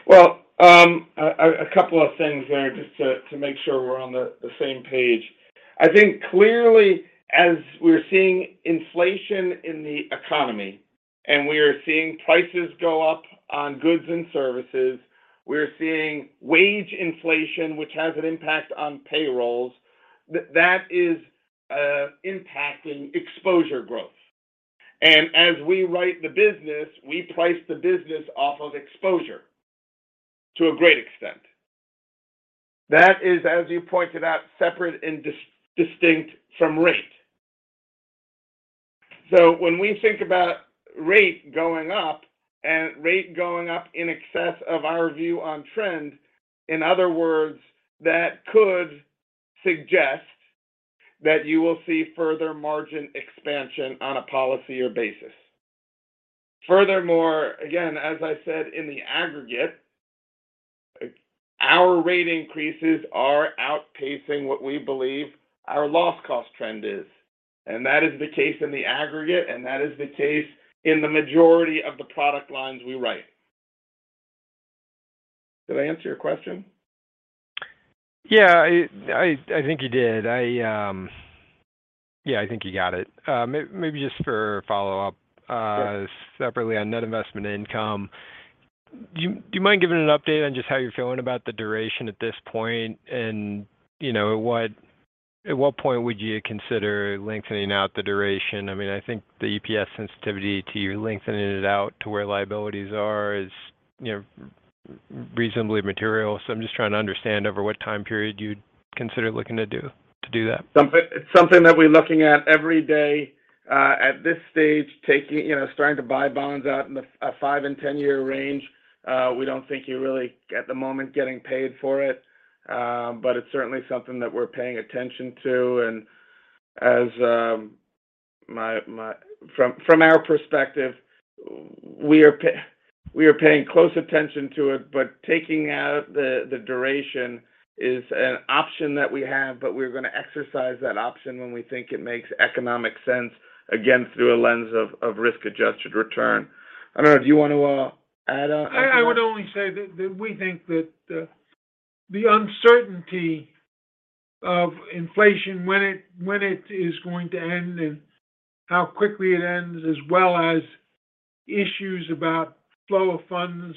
Well, a couple of things there just to make sure we're on the same page. I think clearly as we're seeing inflation in the economy and we are seeing prices go up on goods and services, we're seeing wage inflation, which has an impact on payrolls, that is impacting exposure growth. As we write the business, we price the business off of exposure to a great extent. That is, as you pointed out, separate and distinct from rate. So when we think about rate going up and rate going up in excess of our view on trend, in other words, that could suggest that you will see further margin expansion on a policy or basis. Furthermore, again, as I said, in the aggregate, our rate increases are outpacing what we believe our loss cost trend is. That is the case in aggregate, and that is the case in the majority of the product lines we write. Did I answer your question? Yeah. I think you did. Yeah, I think you got it. Maybe just for follow-up. Sure Separately on net investment income, do you mind giving an update on just how you're feeling about the duration at this point? You know, at what point would you consider lengthening out the duration? I mean, I think the EPS sensitivity to you lengthening it out to where liabilities are is, you know, reasonably material. I'm just trying to understand over what time period you'd consider looking to do that. It's something that we're looking at every day. At this stage, starting to buy bonds out in the five- and 10-year range, we don't think you're really at the moment getting paid for it. It's certainly something that we're paying attention to. From our perspective, we are paying close attention to it, but taking out the duration is an option that we have, but we're gonna exercise that option when we think it makes economic sense, again, through a lens of risk-adjusted return. I don't know. Do you want to add more? I would only say that we think that the uncertainty of inflation, when it is going to end and how quickly it ends, as well as issues about flow of funds,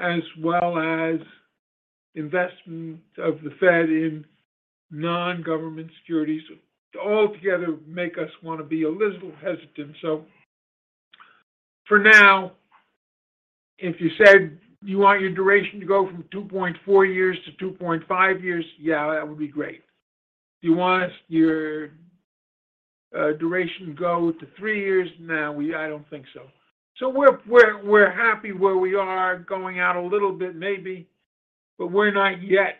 as well as investments of the Fed in non-government securities altogether make us want to be a little hesitant. For now, if you said you want your duration to go from 2.4 years to 2.5 years, yeah, that would be great. If you want your duration to go to three years, no, I don't think so. We're happy where we are, going out a little bit maybe, but we're not yet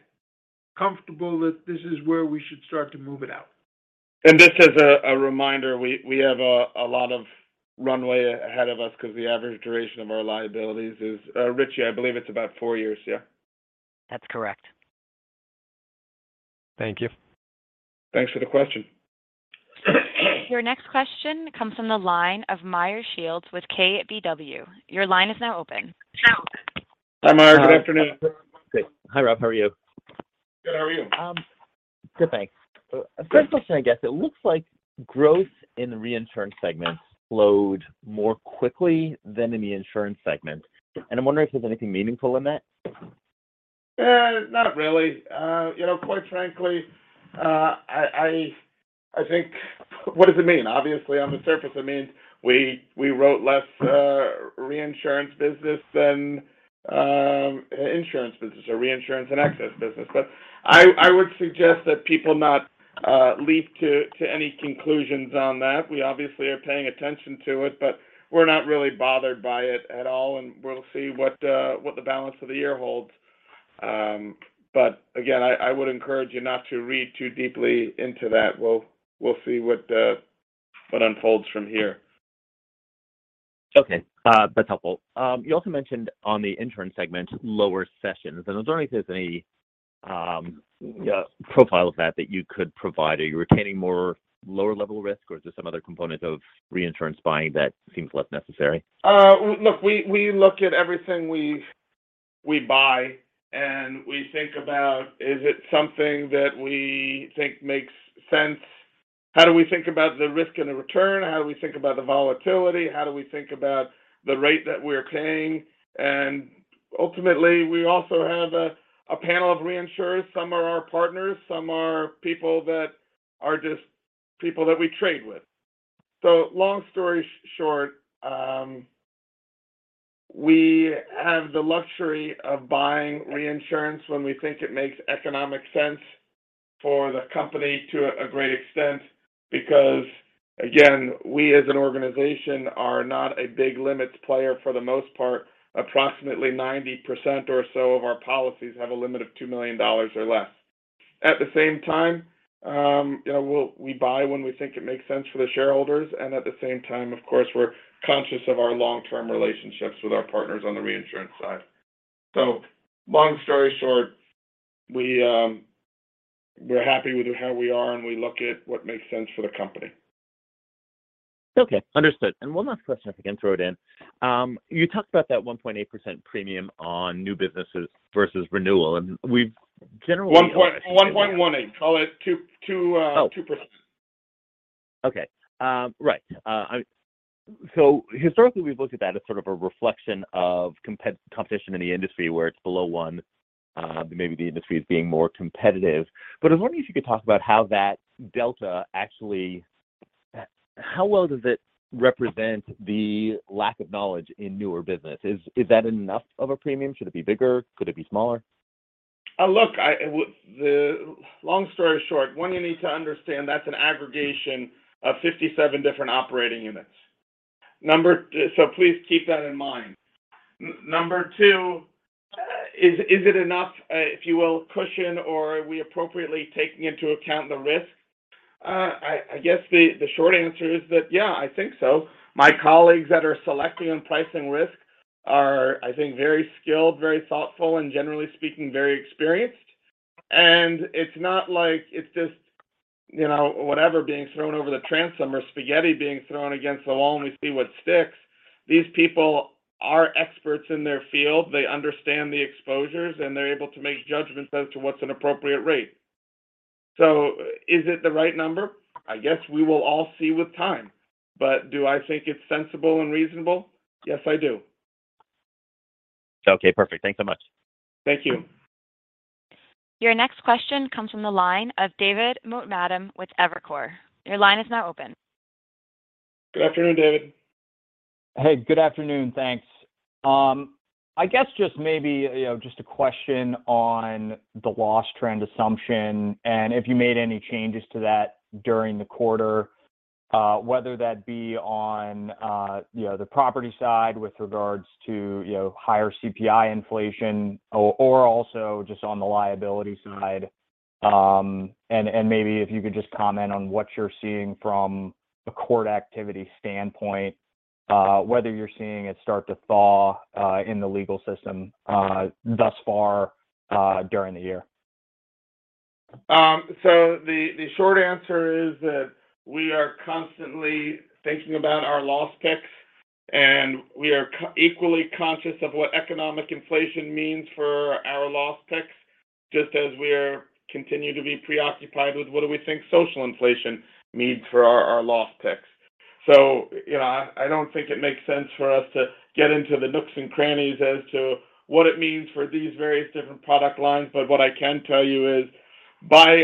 comfortable that this is where we should start to move it out. Just as a reminder, we have a lot of runway ahead of us because the average duration of our liabilities is. Richie, I believe it's about four years. Yeah. That's correct. Thank you. Thanks for the question. Your next question comes from the line of Meyer Shields with KBW. Your line is now open. Hi, Meyer. Good afternoon. Great. Hi, Rob. How are you? Good. How are you? Good, thanks. Great. First question, I guess. It looks like growth in the reinsurance segment slowed more quickly than in the insurance segment, and I'm wondering if there's anything meaningful in that. Not really. You know, quite frankly, I think what does it mean? Obviously, on the surface, it means we wrote less reinsurance business than insurance business or reinsurance and excess business. I would suggest that people not leap to any conclusions on that. We obviously are paying attention to it, but we're not really bothered by it at all, and we'll see what the balance of the year holds. Again, I would encourage you not to read too deeply into that. We'll see what unfolds from here. Okay. That's helpful. You also mentioned on the insurance segment lower cessions, and I was wondering if there's any profile of that that you could provide. Are you retaining more lower level risk or is there some other component of reinsurance buying that seems less necessary? Look, we look at everything we buy, and we think about, is it something that we think makes sense? How do we think about the risk and the return? How do we think about the volatility? How do we think about the rate that we're paying? And ultimately, we also have a panel of reinsurers. Some are our partners, some are people that are just people that we trade with. Long story short, we have the luxury of buying reinsurance when we think it makes economic sense for the company to a great extent because, again, we as an organization are not a big limits player for the most part. Approximately 90% or so of our policies have a limit of $2 million or less. At the same time, we buy when we think it makes sense for the shareholders and at the same time, of course, we're conscious of our long-term relationships with our partners on the reinsurance side. Long story short, we're happy with how we are, and we look at what makes sense for the company. Okay. Understood. One last question, if I can throw it in. You talked about that 1.8% premium on new businesses versus renewal, and we've generally One point, 1.1%, 8%. Call it 2%, Oh 2%. Historically, we've looked at that as sort of a reflection of competition in the industry where it's below one, maybe the industry is being more competitive. I was wondering if you could talk about that delta. How well does it represent the lack of knowledge in newer business? Is that enough of a premium? Should it be bigger? Could it be smaller? Look, the long story short, number one, you need to understand that's an aggregation of 57 different operating units. Please keep that in mind. Number two, is it enough, if you will, cushion or are we appropriately taking into account the risk? I guess the short answer is that, yeah, I think so. My colleagues that are selecting and pricing risk are, I think, very skilled, very thoughtful, and generally speaking, very experienced. It's not like it's just, you know, whatever being thrown over the transom or spaghetti being thrown against the wall, and we see what sticks. These people are experts in their field. They understand the exposures, and they're able to make judgments as to what's an appropriate rate. Is it the right number? I guess we will all see with time. Do I think it's sensible and reasonable? Yes, I do. Okay. Perfect. Thanks so much. Thank you. Your next question comes from the line of David Motemaden with Evercore. Your line is now open. Good afternoon, David. Hey, good afternoon. Thanks. I guess just maybe, you know, just a question on the loss trend assumption and if you made any changes to that during the quarter, whether that be on, you know, the property side with regards to, you know, higher CPI inflation or also just on the liability side. And maybe if you could just comment on what you're seeing from a court activity standpoint, whether you're seeing it start to thaw in the legal system thus far during the year. The short answer is that we are constantly thinking about our loss picks, and we are equally conscious of what economic inflation means for our loss picks, just as we continue to be preoccupied with what we think social inflation means for our loss picks. You know, I don't think it makes sense for us to get into the nooks and crannies as to what it means for these various different product lines. But what I can tell you is, by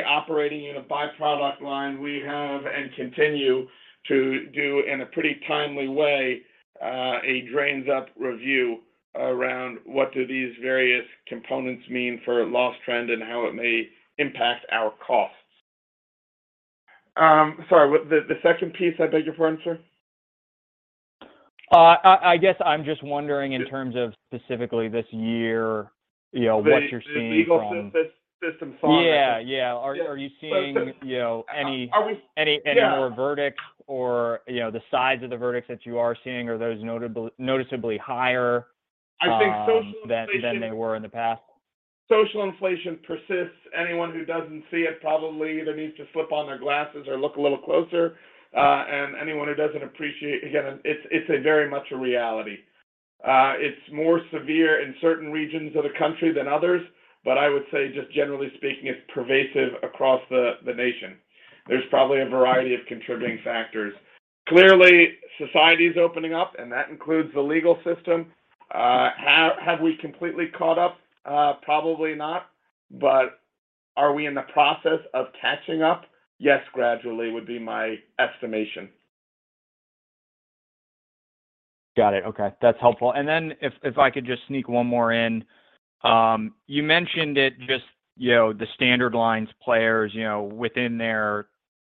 product line, we have and continue to do in a pretty timely way, a bottom-up review around what these various components mean for loss trend and how it may impact our costs. Sorry, the second piece, I beg your pardon, sir? I guess I'm just wondering in terms of specifically this year, you know, what you're seeing from The legal system though, I guess. Yeah, yeah. Are you seeing- Yes. Well, You know, Are we- Any more verdicts? Yeah You know, the size of the verdicts that you are seeing, are those notably, noticeably higher? I think social inflation. than they were in the past? Social inflation persists. Anyone who doesn't see it probably either needs to slip on their glasses or look a little closer. Anyone who doesn't appreciate, again, it's a very much a reality. It's more severe in certain regions of the country than others, but I would say just generally speaking, it's pervasive across the nation. There's probably a variety of contributing factors. Clearly, society is opening up, and that includes the legal system. Have we completely caught up? Probably not. Are we in the process of catching up? Yes, gradually would be my estimation. Got it. Okay. That's helpful. If I could just sneak one more in. You mentioned it just, you know, the standard lines players, you know, within their,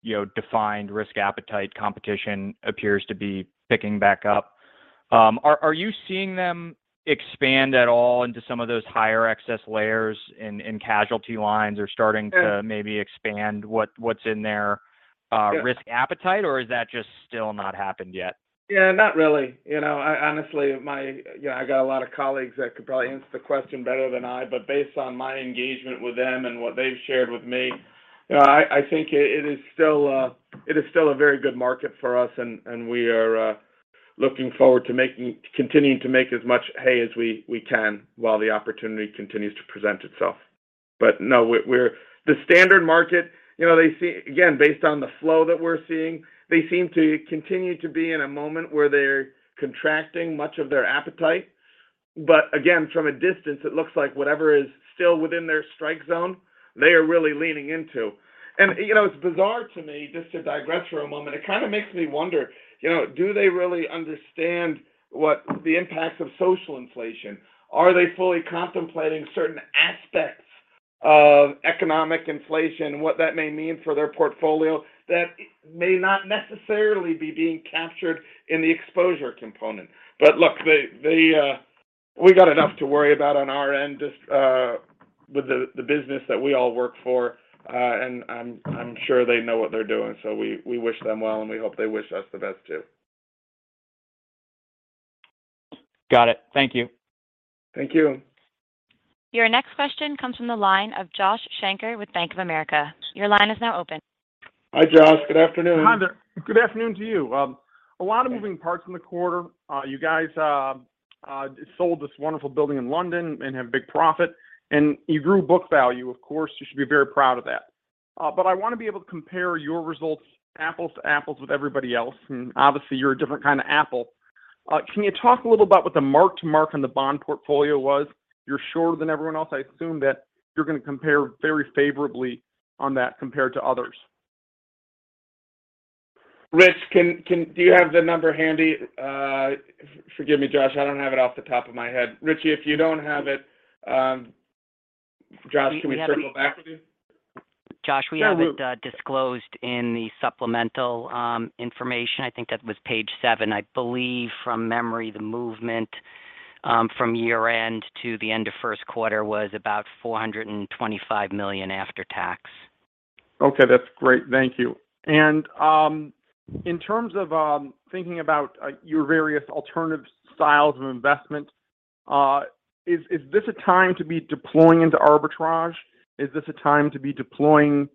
you know, defined risk appetite competition appears to be picking back up. Are you seeing them expand at all into some of those higher excess layers in casualty lines or starting to- Yeah maybe expand what's in their Yeah risk appetite, or is that just still not happened yet? Yeah, not really. You know, I got a lot of colleagues that could probably answer the question better than I, but based on my engagement with them and what they've shared with me, you know, I think it is still a very good market for us, and we are looking forward to continuing to make as much hay as we can while the opportunity continues to present itself. But no. The standard market, you know. Again, based on the flow that we're seeing, they seem to continue to be in a moment where they're contracting much of their appetite. But again, from a distance, it looks like whatever is still within their strike zone, they are really leaning into. You know, it's bizarre to me, just to digress for a moment. It kind of makes me wonder, you know, do they really understand what the impacts of social inflation? Are they fully contemplating certain aspects of economic inflation and what that may mean for their portfolio that may not necessarily be being captured in the exposure component? Look, they we got enough to worry about on our end just with the business that we all work for. I'm sure they know what they're doing, so we wish them well, and we hope they wish us the best too. Got it. Thank you. Thank you. Your next question comes from the line of Josh Shanker with Bank of America. Your line is now open. Hi, Josh. Good afternoon. Hi there. Good afternoon to you. A lot of moving parts in the quarter. You guys sold this wonderful building in London and have big profit, and you grew book value. Of course, you should be very proud of that. I want to be able to compare your results apples to apples with everybody else, and obviously, you're a different kind of apple. Can you talk a little about what the mark-to-market on the bond portfolio was? You're shorter than everyone else. I assume that you're going to compare very favorably on that compared to others. Rich, do you have the number handy? Forgive me, Josh, I don't have it off the top of my head. Richie, if you don't have it, Josh, can we circle back with you? Josh, we have it disclosed in the supplemental information. I think that was page seven. I believe from memory the movement from year-end to the end of Q1 was about $425 million after tax. Okay, that's great. Thank you. In terms of thinking about your various alternative styles of investment, is this a time to be deploying into arbitrage? Is this a time to be deploying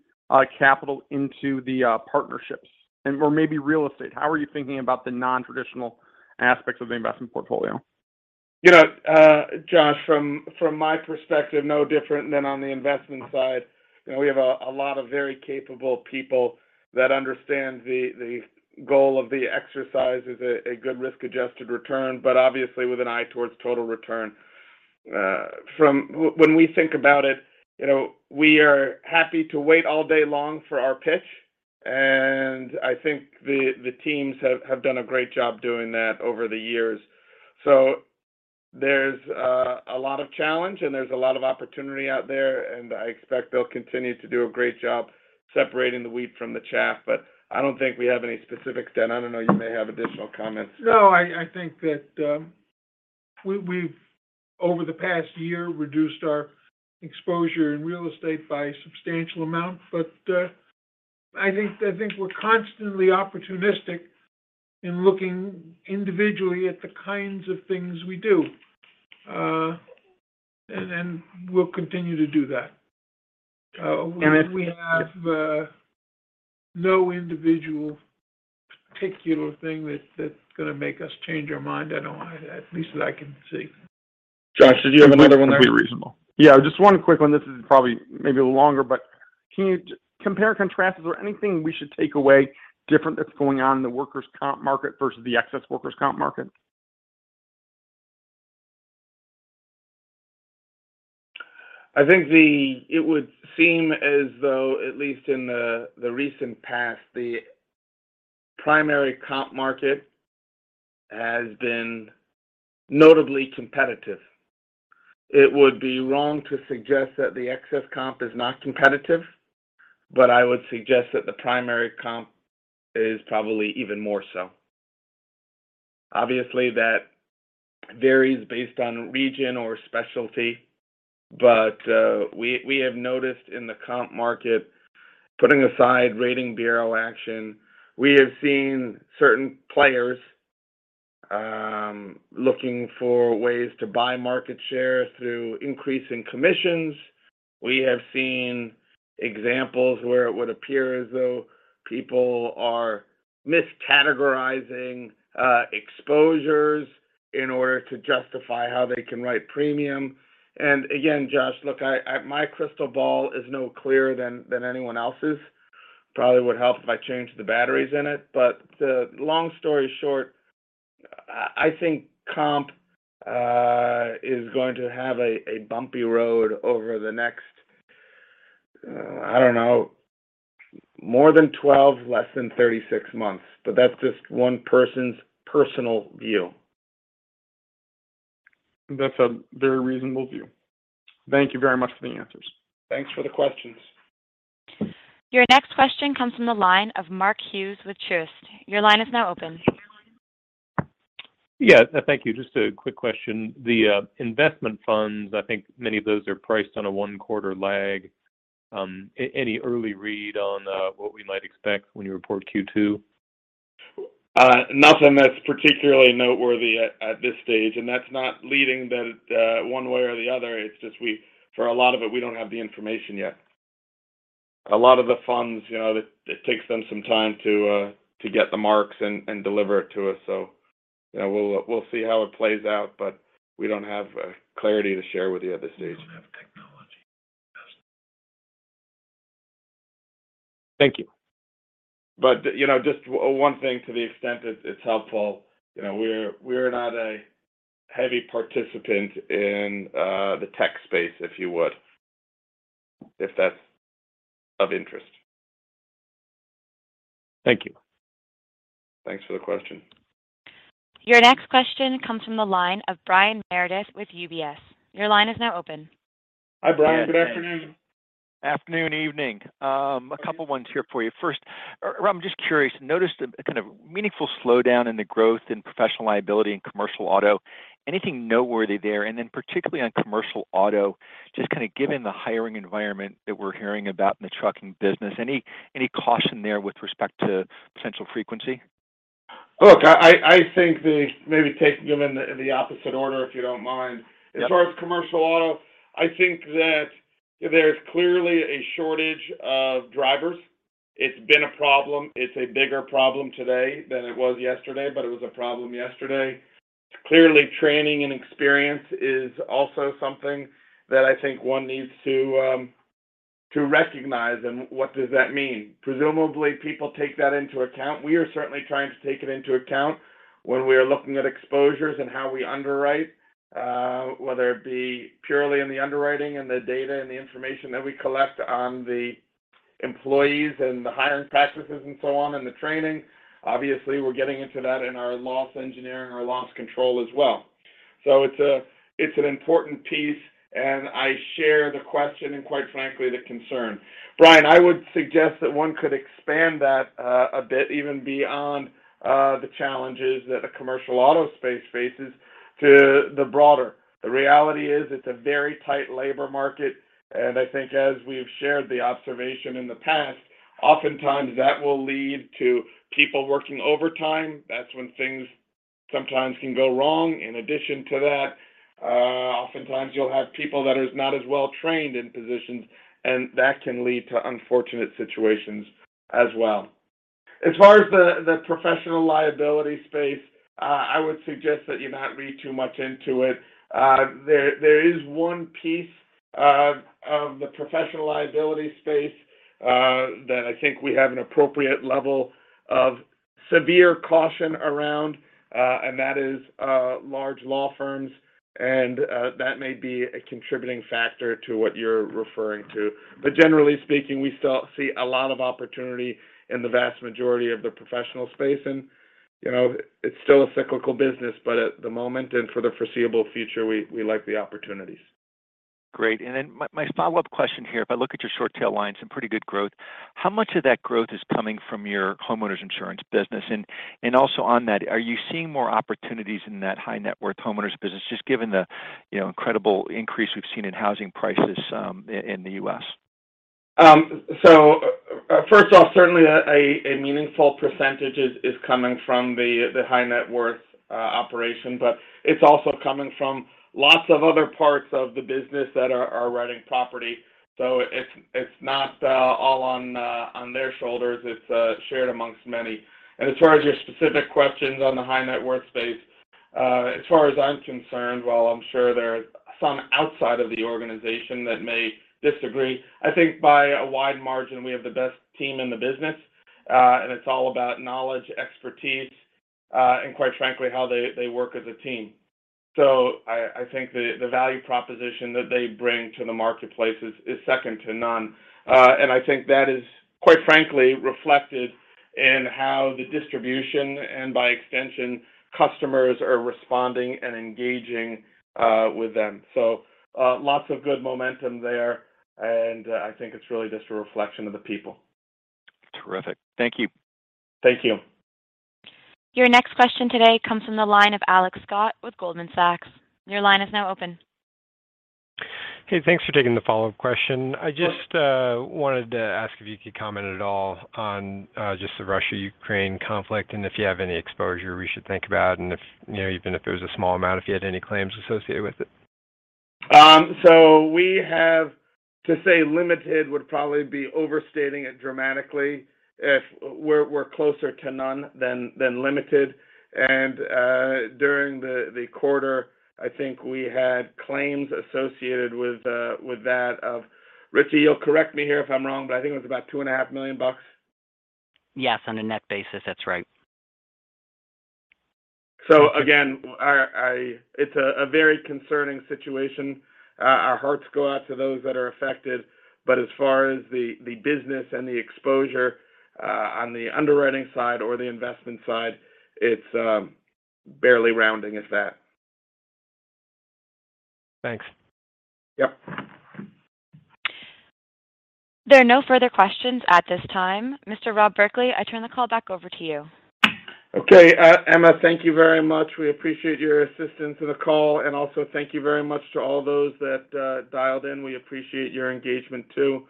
capital into the partnerships and/or maybe real estate? How are you thinking about the non-traditional aspects of the investment portfolio? You know, Josh, from my perspective, no different than on the investment side. You know, we have a lot of very capable people that understand the goal of the exercise is a good risk-adjusted return, but obviously with an eye towards total return. When we think about it, you know, we are happy to wait all day long for our pitch, and I think the teams have done a great job doing that over the years. There's a lot of challenge, and there's a lot of opportunity out there, and I expect they'll continue to do a great job separating the wheat from the chaff. I don't think we have any specifics then. I don't know, you may have additional comments. No, I think that we've over the past year reduced our exposure in real estate by a substantial amount. I think we're constantly opportunistic in looking individually at the kinds of things we do. We'll continue to do that. We have no individual particular thing that's gonna make us change our mind. I don't, at least that I can see. Josh, did you have another one? That would be reasonable. Yeah, just one quick one. This is probably maybe a little longer, but can you compare and contrast, is there anything we should take away different that's going on in the workers' comp market versus the excess workers' comp market? I think it would seem as though, at least in the recent past, the primary comp market has been notably competitive. It would be wrong to suggest that the excess comp is not competitive, but I would suggest that the primary comp is probably even more so. Obviously, that varies based on region or specialty, but we have noticed in the comp market, putting aside rating bureau action, we have seen certain players looking for ways to buy market share through increase in commissions. We have seen examples where it would appear as though people are miscategorizing exposures in order to justify how they can write premium. Again, Josh, my crystal ball is no clearer than anyone else's. It would probably help if I change the batteries in it. Long story short, I think comp is going to have a bumpy road over the next, I don't know, more than 12, less than 36 months, but that's just one person's personal view. That's a very reasonable view. Thank you very much for the answers. Thanks for the questions. Your next question comes from the line of Mark Hughes with Truist. Your line is now open. Yeah. Thank you. Just a quick question. The investment funds, I think many of those are priced on a one-quarter lag. Any early read on what we might expect when you report Q2? Nothing that's particularly noteworthy at this stage, and that's not leading that one way or the other. It's just for a lot of it, we don't have the information yet. A lot of the funds, you know, it takes them some time to get the marks and deliver it to us. You know, we'll see how it plays out, but we don't have clarity to share with you at this stage. We don't have technology. Thank you. You know, just one thing to the extent it's helpful. You know, we're not a heavy participant in the tech space, if you would. If that's of interest. Thank you. Thanks for the question. Your next question comes from the line of Brian Meredith with UBS. Your line is now open. Hi, Brian. Good afternoon. Afternoon, evening. A couple of questions here for you. First, I'm just curious. I noticed a kind of meaningful slowdown in the growth in professional liability and commercial auto. Anything noteworthy there? Particularly on commercial auto, just kind of given the hiring environment that we're hearing about in the trucking business, any caution there with respect to potential frequency? Look, I think maybe taking them in the opposite order, if you don't mind. Yep. As far as commercial auto, I think that there's clearly a shortage of drivers. It's been a problem. It's a bigger problem today than it was yesterday, but it was a problem yesterday. Clearly, training and experience is also something that I think one needs to recognize. What does that mean? Presumably, people take that into account. We are certainly trying to take it into account when we are looking at exposures and how we underwrite, whether it be purely in the underwriting and the data and the information that we collect on the employees and the hiring practices and so on in the training. Obviously, we're getting into that in our loss engineering or loss control as well. It's an important piece, and I share the question and quite frankly, the concern. Brian, I would suggest that one could expand that, a bit even beyond, the challenges that a commercial auto space faces to the broader. The reality is it's a very tight labor market, and I think as we've shared the observation in the past, oftentimes that will lead to people working overtime. That's when things sometimes can go wrong. In addition to that, oftentimes you'll have people that is not as well trained in positions, and that can lead to unfortunate situations as well. As far as the professional liability space, I would suggest that you not read too much into it. There is one piece of the professional liability space that I think we have an appropriate level of severe caution around, and that is large law firms, and that may be a contributing factor to what you're referring to. But generally speaking, we still see a lot of opportunity in the vast majority of the professional space. You know, it's still a cyclical business, but at the moment and for the foreseeable future, we like the opportunities. Great. My follow-up question here. If I look at your short tail line, some pretty good growth. How much of that growth is coming from your homeowner's insurance business? Also, on that, are you seeing more opportunities in that high-net-worth homeowners' business, just given the, you know, incredible increase we've seen in housing prices, in the U.S.? First off, certainly a meaningful percentage is coming from the high-net-worth operation, but it's also coming from lots of other parts of the business that are writing property. It's not all on their shoulders. It's shared amongst many. As far as your specific questions on the high-net-worth space, as far as I'm concerned, while I'm sure there are some outside of the organization that may disagree, I think by a wide margin, we have the best team in the business. It's all about knowledge, expertise, and quite frankly, how they work as a team. I think the value proposition that they bring to the marketplace is second to none. I think that is, quite frankly, reflected in how the distribution and by extension customers are responding and engaging with them. Lots of good momentum there. I think it's really just a reflection of the people. Terrific. Thank you. Thank you. Your next question today comes from the line of Alex Scott with Goldman Sachs. Your line is now open. Hey, thanks for taking the follow-up question. I just wanted to ask if you could comment at all on just the Russia-Ukraine conflict and if you have any exposure we should think about and if, you know, even if there's a small amount, if you had any claims associated with it. We have to say limited would probably be overstating it dramatically if we're closer to none than limited. During the quarter, I think we had claims associated with that. Richie, you'll correct me here if I'm wrong, but I think it was about $2.5 million. Yes. On a net basis, that's right. It's a very concerning situation. Our hearts go out to those that are affected. As far as the business and the exposure, on the underwriting side or the investment side, it's barely rounding if that. Thanks. Yep. There are no further questions at this time. Mr. Rob Berkley, I turn the call back over to you. Okay. Emma, thank you very much. We appreciate your assistance in the call. Also thank you very much to all those that dialed in. We appreciate your engagement too.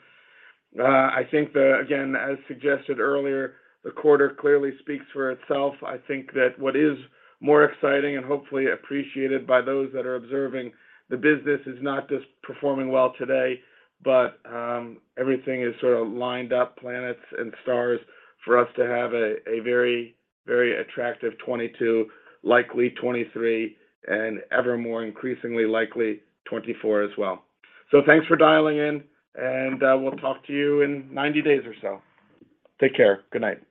I think. Again, as suggested earlier, the quarter clearly speaks for itself. I think that what is more exciting and hopefully appreciated by those that are observing the business is not just performing well today, but everything is sort of lined up, planets and stars, for us to have a very, very attractive 2022, likely 2023, and ever more increasingly likely 2024 as well. Thanks for dialing in, and we'll talk to you in 90 days or so. Take care. Good night.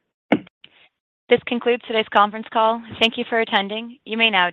This concludes today's conference call. Thank you for attending. You may now disconnect.